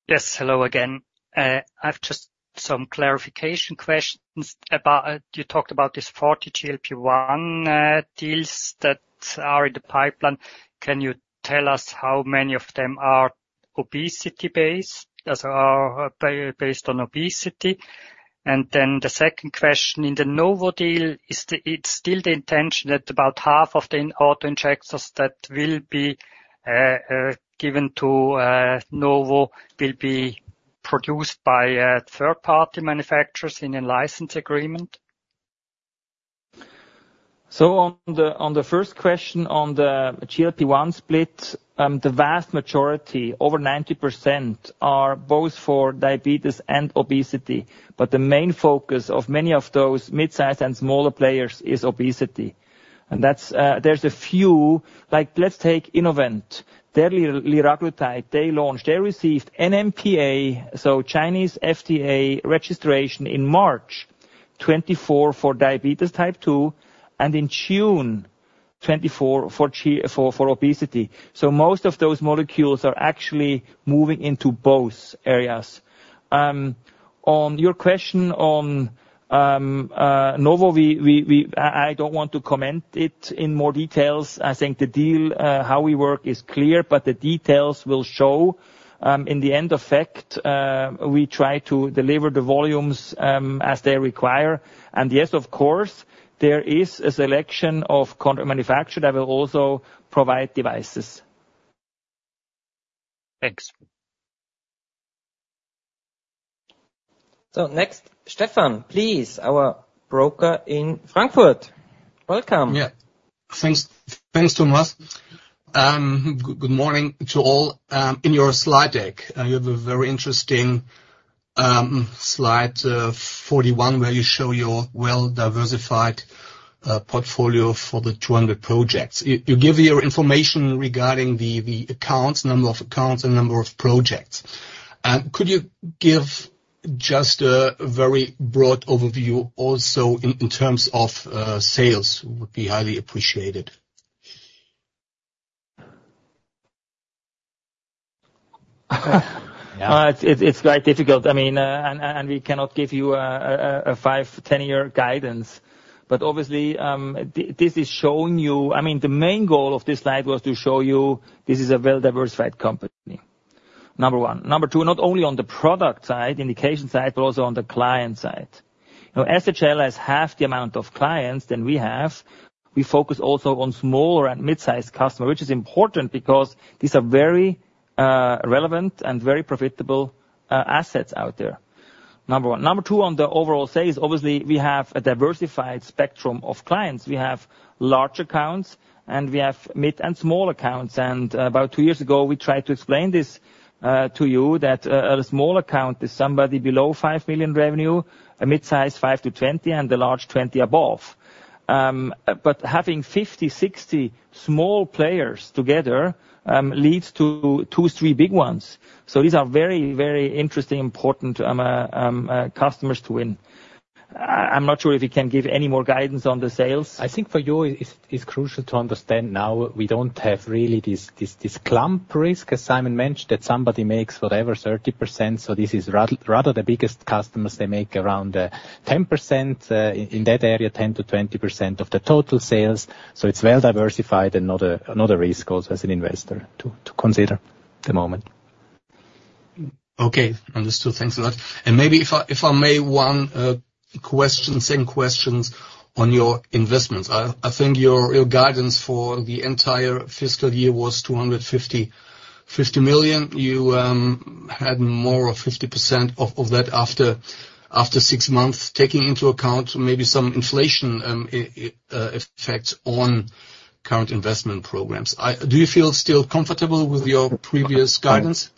Yes, hello again. I have just some clarification questions about you talked about this 40 GLP-1 deals that are in the pipeline. Can you tell us how many of them are obesity-based, based on obesity? And then the second question in the Novo deal, is it still the intention that about half of the auto injectors that will be given to Novo will be produced by third-party manufacturers in a license agreement? So on the first question on the GLP-1 split, the vast majority, over 90%, are both for diabetes and obesity. But the main focus of many of those mid-size and smaller players is obesity. And there's a few, like let's take Innovent. They're Liraglutide. They launched; they received NMPA, so Chinese FDA registration in March 2024 for diabetes type 2, and in June 2024 for obesity. So most of those molecules are actually moving into both areas. On your question on Novo, I don't want to comment on it in more details. I think the deal, how we work is clear, but the details will show. In the end effect, we try to deliver the volumes as they require. And yes, of course, there is a selection of manufacturers that will also provide devices. Thanks. So next, Stefan, please, our broker in Frankfurt. Welcome. Yeah. Thanks, Thomas. Good morning to all. In your slide deck, you have a very interesting slide 41 where you show your well-diversified portfolio for the 200 projects. You give your information regarding the accounts, number of accounts, and number of projects. Could you give just a very broad overview also in terms of sales would be highly appreciated? It's quite difficult. I mean, and we cannot give you a five, 10-year guidance. But obviously, this is showing you, I mean, the main goal of this slide was to show you this is a well-diversified company. Number one. Number two, not only on the product side, indication side, but also on the client side. Now, SHL has half the amount of clients than we have. We focus also on smaller and mid-sized customers, which is important because these are very relevant and very profitable assets out there. Number one. Number two, on the overall sales, obviously, we have a diversified spectrum of clients. We have large accounts and we have mid and small accounts. About two years ago, we tried to explain this to you that a small account is somebody below 5 million revenue, a mid-size 5-20, and the large 20 above. But having 50, 60 small players together leads to two, three big ones. So these are very, very interesting, important customers to win. I'm not sure if you can give any more guidance on the sales. I think for you, it's crucial to understand now we don't have really this clump risk, as Simon mentioned, that somebody makes whatever 30%. So this is rather the biggest customers they make around 10% in that area, 10%-20% of the total sales. So it's well-diversified and not a risk also as an investor to consider at the moment. Okay. Understood. Thanks a lot. And maybe if I may, one question, same questions on your investments. I think your guidance for the entire fiscal year was 250 million. You had more of 50% of that after six months, taking into account maybe some inflation effects on current investment programs. Do you feel still comfortable with your previous guidance?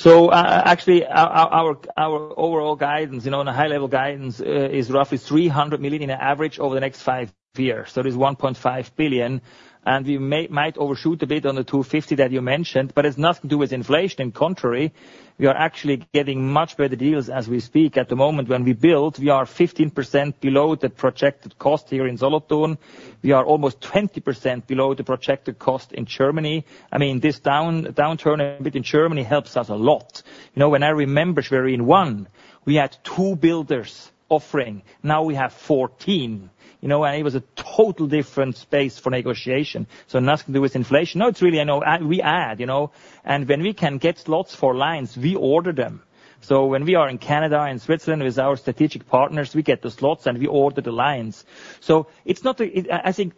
Actually, our overall guidance, the high-level guidance is roughly 300 million in average over the next five years. So it is 1.5 billion. And we might overshoot a bit on the 250 that you mentioned, but it has nothing to do with inflation. On the contrary, we are actually getting much better deals as we speak. At the moment when we build, we are 15% below the projected cost here in Solothurn. We are almost 20% below the projected cost in Germany. I mean, this downturn a bit in Germany helps us a lot. When I remember, we were in one, we had two builders offering. Now we have 14. It was a totally different space for negotiation. Nothing to do with inflation. No, it's really we add. When we can get slots for lines, we order them. When we are in Canada and Switzerland with our strategic partners, we get the slots and we order the lines. I think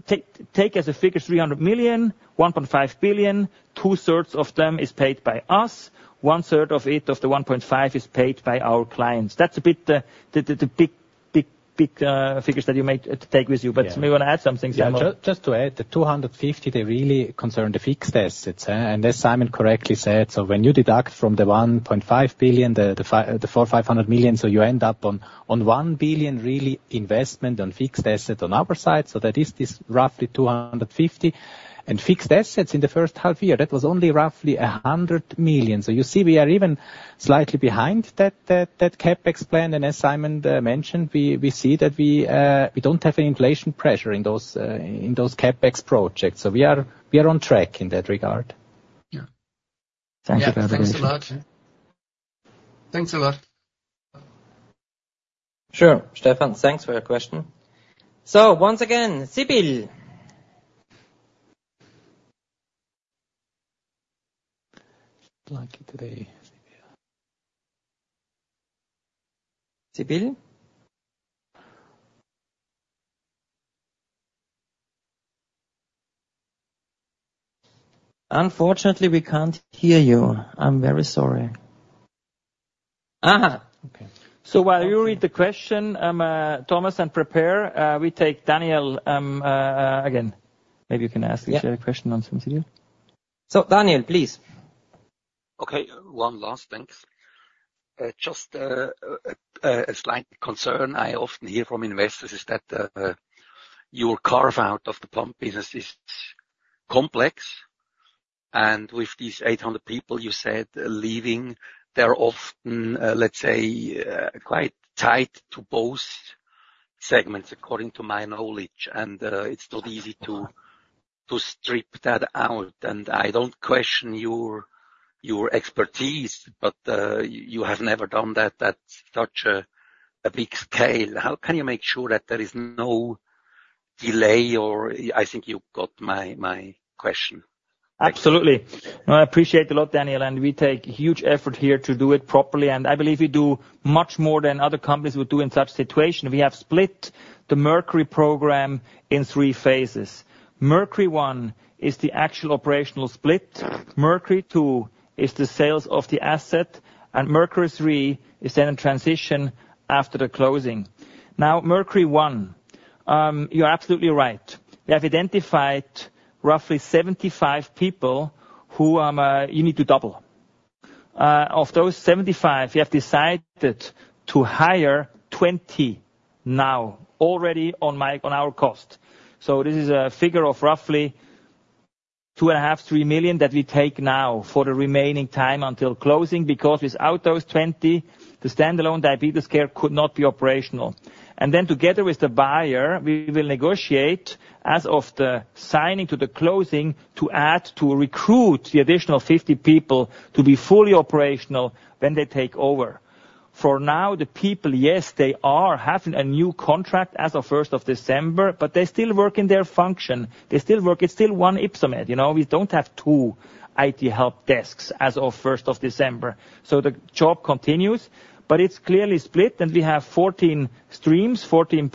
take as a figure 300 million, 1.5 billion. Two-thirds of them is paid by us. One-third of it, of the 1.5, is paid by our clients. That's a bit the big figures that you may take with you. But maybe you want to add something, Samuel? \ Yeah. Just to add, the 250, they really concern the fixed assets. As Simon correctly said, when you deduct from the 1.5 billion the 450 million, you end up on 1 billion really investment on fixed asset on our side. So that is this roughly 250 million. And fixed assets in the first half year, that was only roughly 100 million. So you see we are even slightly behind that CapEx plan. And as Simon mentioned, we see that we don't have any inflation pressure in those CapEx projects. So we are on track in that regard. Yeah. Thank you very much. Thanks a lot. Thanks a lot. Sure. Stefan, thanks for your question. So once again, Sibylle. Sibylle? Unfortunately, we can't hear you. I'm very sorry. So while you read the question, Thomas and Peter, we take Daniel again. Maybe you can ask a question on something. So Daniel, please. Okay. One last thing. Just a slight concern I often hear from investors is that your carve-out of the pump business is complex. With these 800 people you said leaving, they're often, let's say, quite tight to both segments according to my knowledge. It's not easy to strip that out. I don't question your expertise, but you have never done that at such a big scale. How can you make sure that there is no delay or I think you got my question? Absolutely. I appreciate a lot, Daniel. We take huge effort here to do it properly. I believe we do much more than other companies would do in such situation. We have split the Mercury program in three phases. Mercury One is the actual operational split. Mercury Two is the sales of the asset. Mercury Three is then a transition after the closing. Now, Mercury One, you're absolutely right. We have identified roughly 75 people who you need to double. Of those 75, you have decided to hire 20 now, already on our cost. So this is a figure of roughly 2.5-3 million that we take now for the remaining time until closing because without those 20, the standalone diabetes care could not be operational. And then together with the buyer, we will negotiate as of the signing to the closing to add to recruit the additional 50 people to be fully operational when they take over. For now, the people, yes, they are having a new contract as of 1st of December, but they still work in their function. They still work. It's still one Ypsomed. We don't have two IT help desks as of 1st of December. So the job continues, but it's clearly split. And we have 14 streams, 14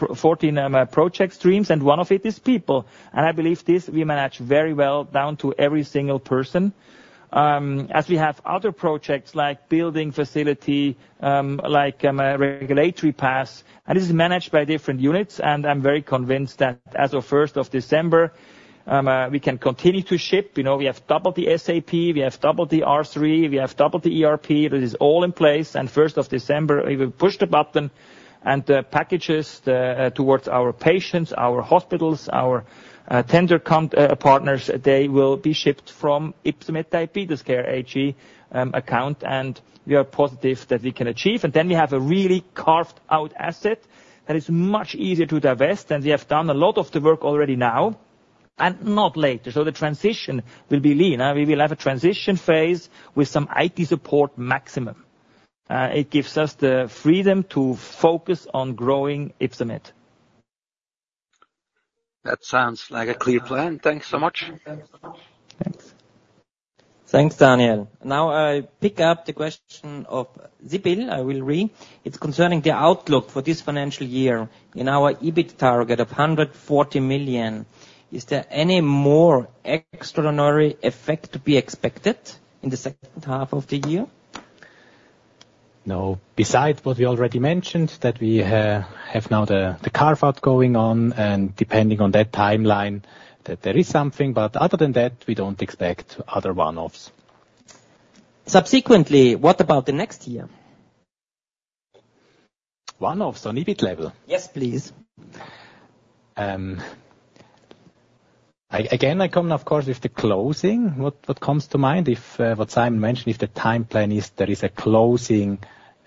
project streams, and one of it is people. I believe this, we manage very well down to every single person. As we have other projects like building facility, like regulatory pass. And this is managed by different units. And I'm very convinced that as of 1st of December, we can continue to ship. We have doubled the SAP. We have doubled the R/3. We have doubled the ERP. This is all in place. And 1st of December, we will push the button and the packages towards our patients, our hospitals, our tender partners. They will be shipped from Ypsomed Diabetes Care AG account. And we are positive that we can achieve. And then we have a really carved-out asset that is much easier to divest and we have done a lot of the work already now and not later. So the transition will be lean. We will have a transition phase with some IT support maximum. It gives us the freedom to focus on growing Ypsomed. That sounds like a clear plan. Thanks so much. Thanks. Thanks, Daniel. Now, I pick up the question of Sibylle. I will read. It's concerning the outlook for this financial year. In our EBIT target of 140 million, is there any more extraordinary effect to be expected in the second half of the year? No. Besides what we already mentioned, that we have now the carve-out going on and depending on that timeline, that there is something. But other than that, we don't expect other one-offs. Subsequently, what about the next year? One-offs on EBIT level? Yes, please. Again, I come up, of course, with the closing. What comes to mind, what Simon mentioned, if the timeline is there is a closing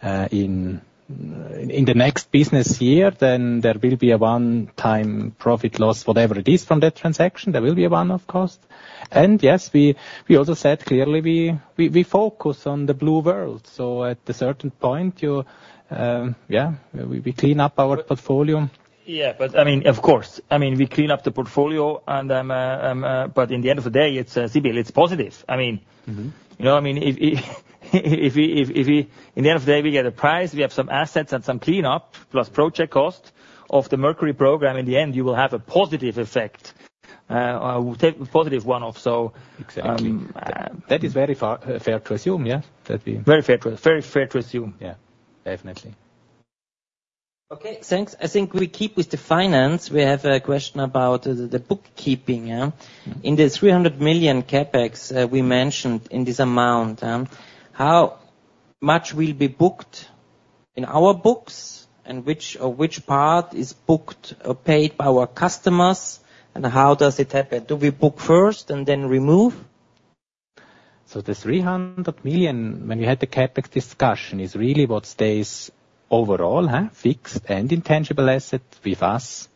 in the next business year, then there will be a one-time profit loss, whatever it is from that transaction, there will be a one-off cost. And yes, we also said clearly we focus on the blue world. So at a certain point, yeah, we clean up our portfolio. Yeah. But I mean, of course, I mean, we clean up the portfolio. But in the end of the day, Sibylle, it's positive. I mean, you know what I mean? If in the end of the day, we get a price, we have some assets and some cleanup plus project cost of the Mercury program, in the end, you will have a positive effect, a positive one-off, so. Exactly. That is very fair to assume, yeah? Very fair to assume. Yeah. Definitely. Okay. Thanks. I think we keep with the finance. We have a question about the bookkeeping. In the 300 million CapEx we mentioned in this amount, how much will be booked in our books and which part is booked or paid by our customers? And how does it happen? Do we book first and then remove? So the 300 million, when we had the CapEx discussion, is really what stays overall, fixed and intangible asset with us.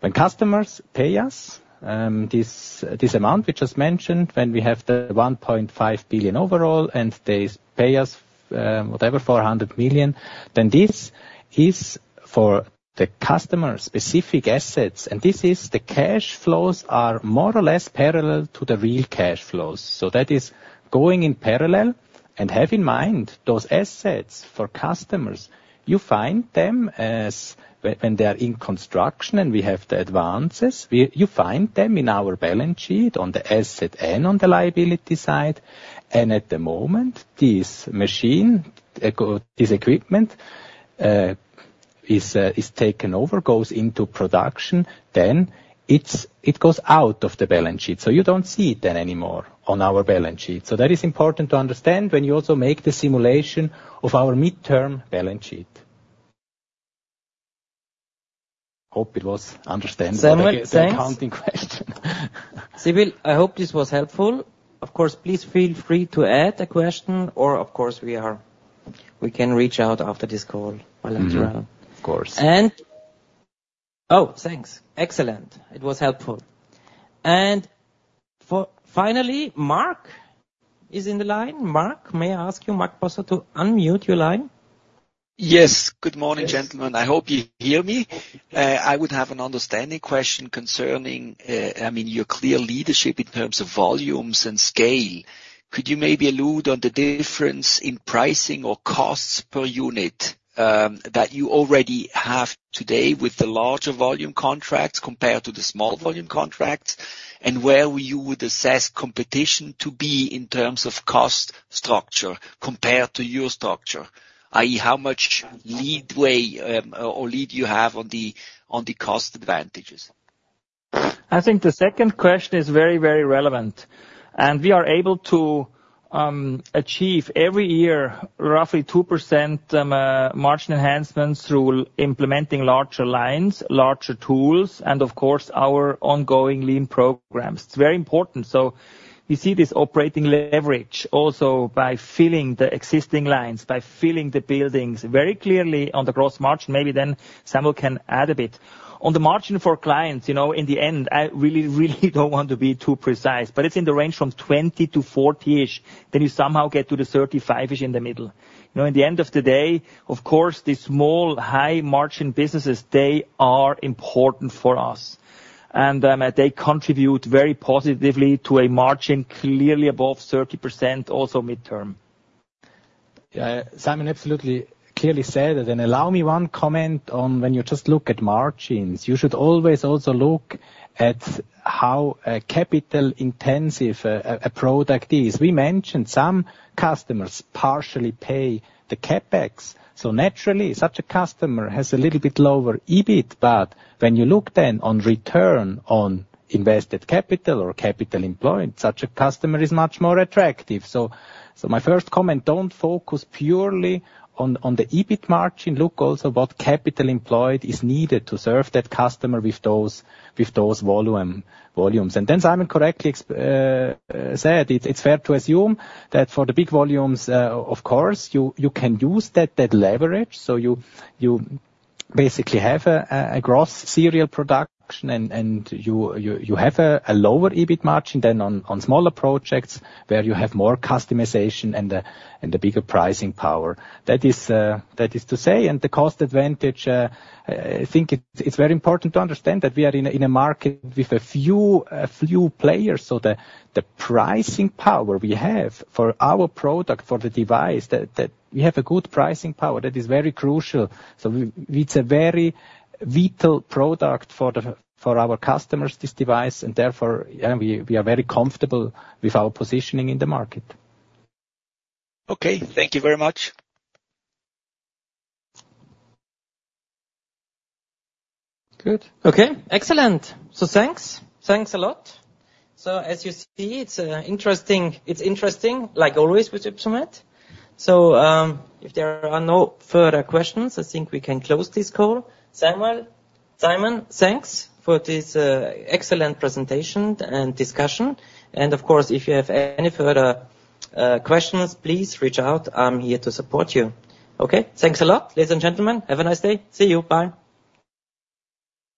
When customers pay us this amount we just mentioned, when we have the 1.5 billion overall and they pay us whatever, 400 million, then this is for the customer-specific assets. And this is the cash flows are more or less parallel to the real cash flows. So that is going in parallel. And have in mind, those assets for customers. You find them when they are in construction and we have the advances. You find them in our balance sheet on the asset and on the liability side. And at the moment, this machine, this equipment is taken over, goes into production, then it goes out of the balance sheet. So you don't see it then anymore on our balance sheet. So that is important to understand when you also make the simulation of our midterm balance sheet. Hope it was understandable. Thanks. Thanks. Sibylle, I hope this was helpful. Of course, please feel free to add a question or, of course, we can reach out after this call bilateral. Of course. And oh, thanks. Excellent. It was helpful. And finally, Mark is in the line. Mark, may I ask you, Mark Possa to unmute your line? Yes. Good morning, gentlemen. I hope you hear me. I would have an understanding question concerning, I mean, your clear leadership in terms of volumes and scale. Could you maybe allude on the difference in pricing or costs per unit that you already have today with the larger volume contracts compared to the small volume contracts? And where you would assess competition to be in terms of cost structure compared to your structure, i.e., how much lead way or lead you have on the cost advantages? I think the second question is very, very relevant, and we are able to achieve every year roughly 2% margin enhancements through implementing larger lines, larger tools, and of course, our ongoing lean programs. It's very important, so we see this operating leverage also by filling the existing lines, by filling the buildings very clearly on the gross margin. Maybe then Samuel can add a bit. On the margin for clients, in the end, I really, really don't want to be too precise, but it's in the range from 20%-40%-ish. Then you somehow get to the 35%-ish in the middle. In the end of the day, of course, the small high-margin businesses, they are important for us, and they contribute very positively to a margin clearly above 30% also midterm. Yeah. Simon absolutely clearly said it, and allow me one comment on when you just look at margins. You should always also look at how capital-intensive a product is. We mentioned some customers partially pay the CapEx. So naturally, such a customer has a little bit lower EBIT, but when you look then on return on invested capital or capital employed, such a customer is much more attractive, so my first comment, don't focus purely on the EBIT margin. Look also what capital employed is needed to serve that customer with those volumes. And then Simon correctly said, it's fair to assume that for the big volumes, of course, you can use that leverage. So you basically have a gross serial production and you have a lower EBIT margin than on smaller projects where you have more customization and a bigger pricing power. That is to say, and the cost advantage, I think it's very important to understand that we are in a market with a few players. So the pricing power we have for our product, for the device, that we have a good pricing power, that is very crucial. So it's a very vital product for our customers, this device. And therefore, we are very comfortable with our positioning in the market. Okay. Thank you very much. Good. Okay. Excellent. So thanks. Thanks a lot. So as you see, it's interesting, like always with Ypsomed. So if there are no further questions, I think we can close this call. Simon, thanks for this excellent presentation and discussion. And of course, if you have any further questions, please reach out. I'm here to support you. Okay. Thanks a lot, ladies and gentlemen. Have a nice day. See you. Bye.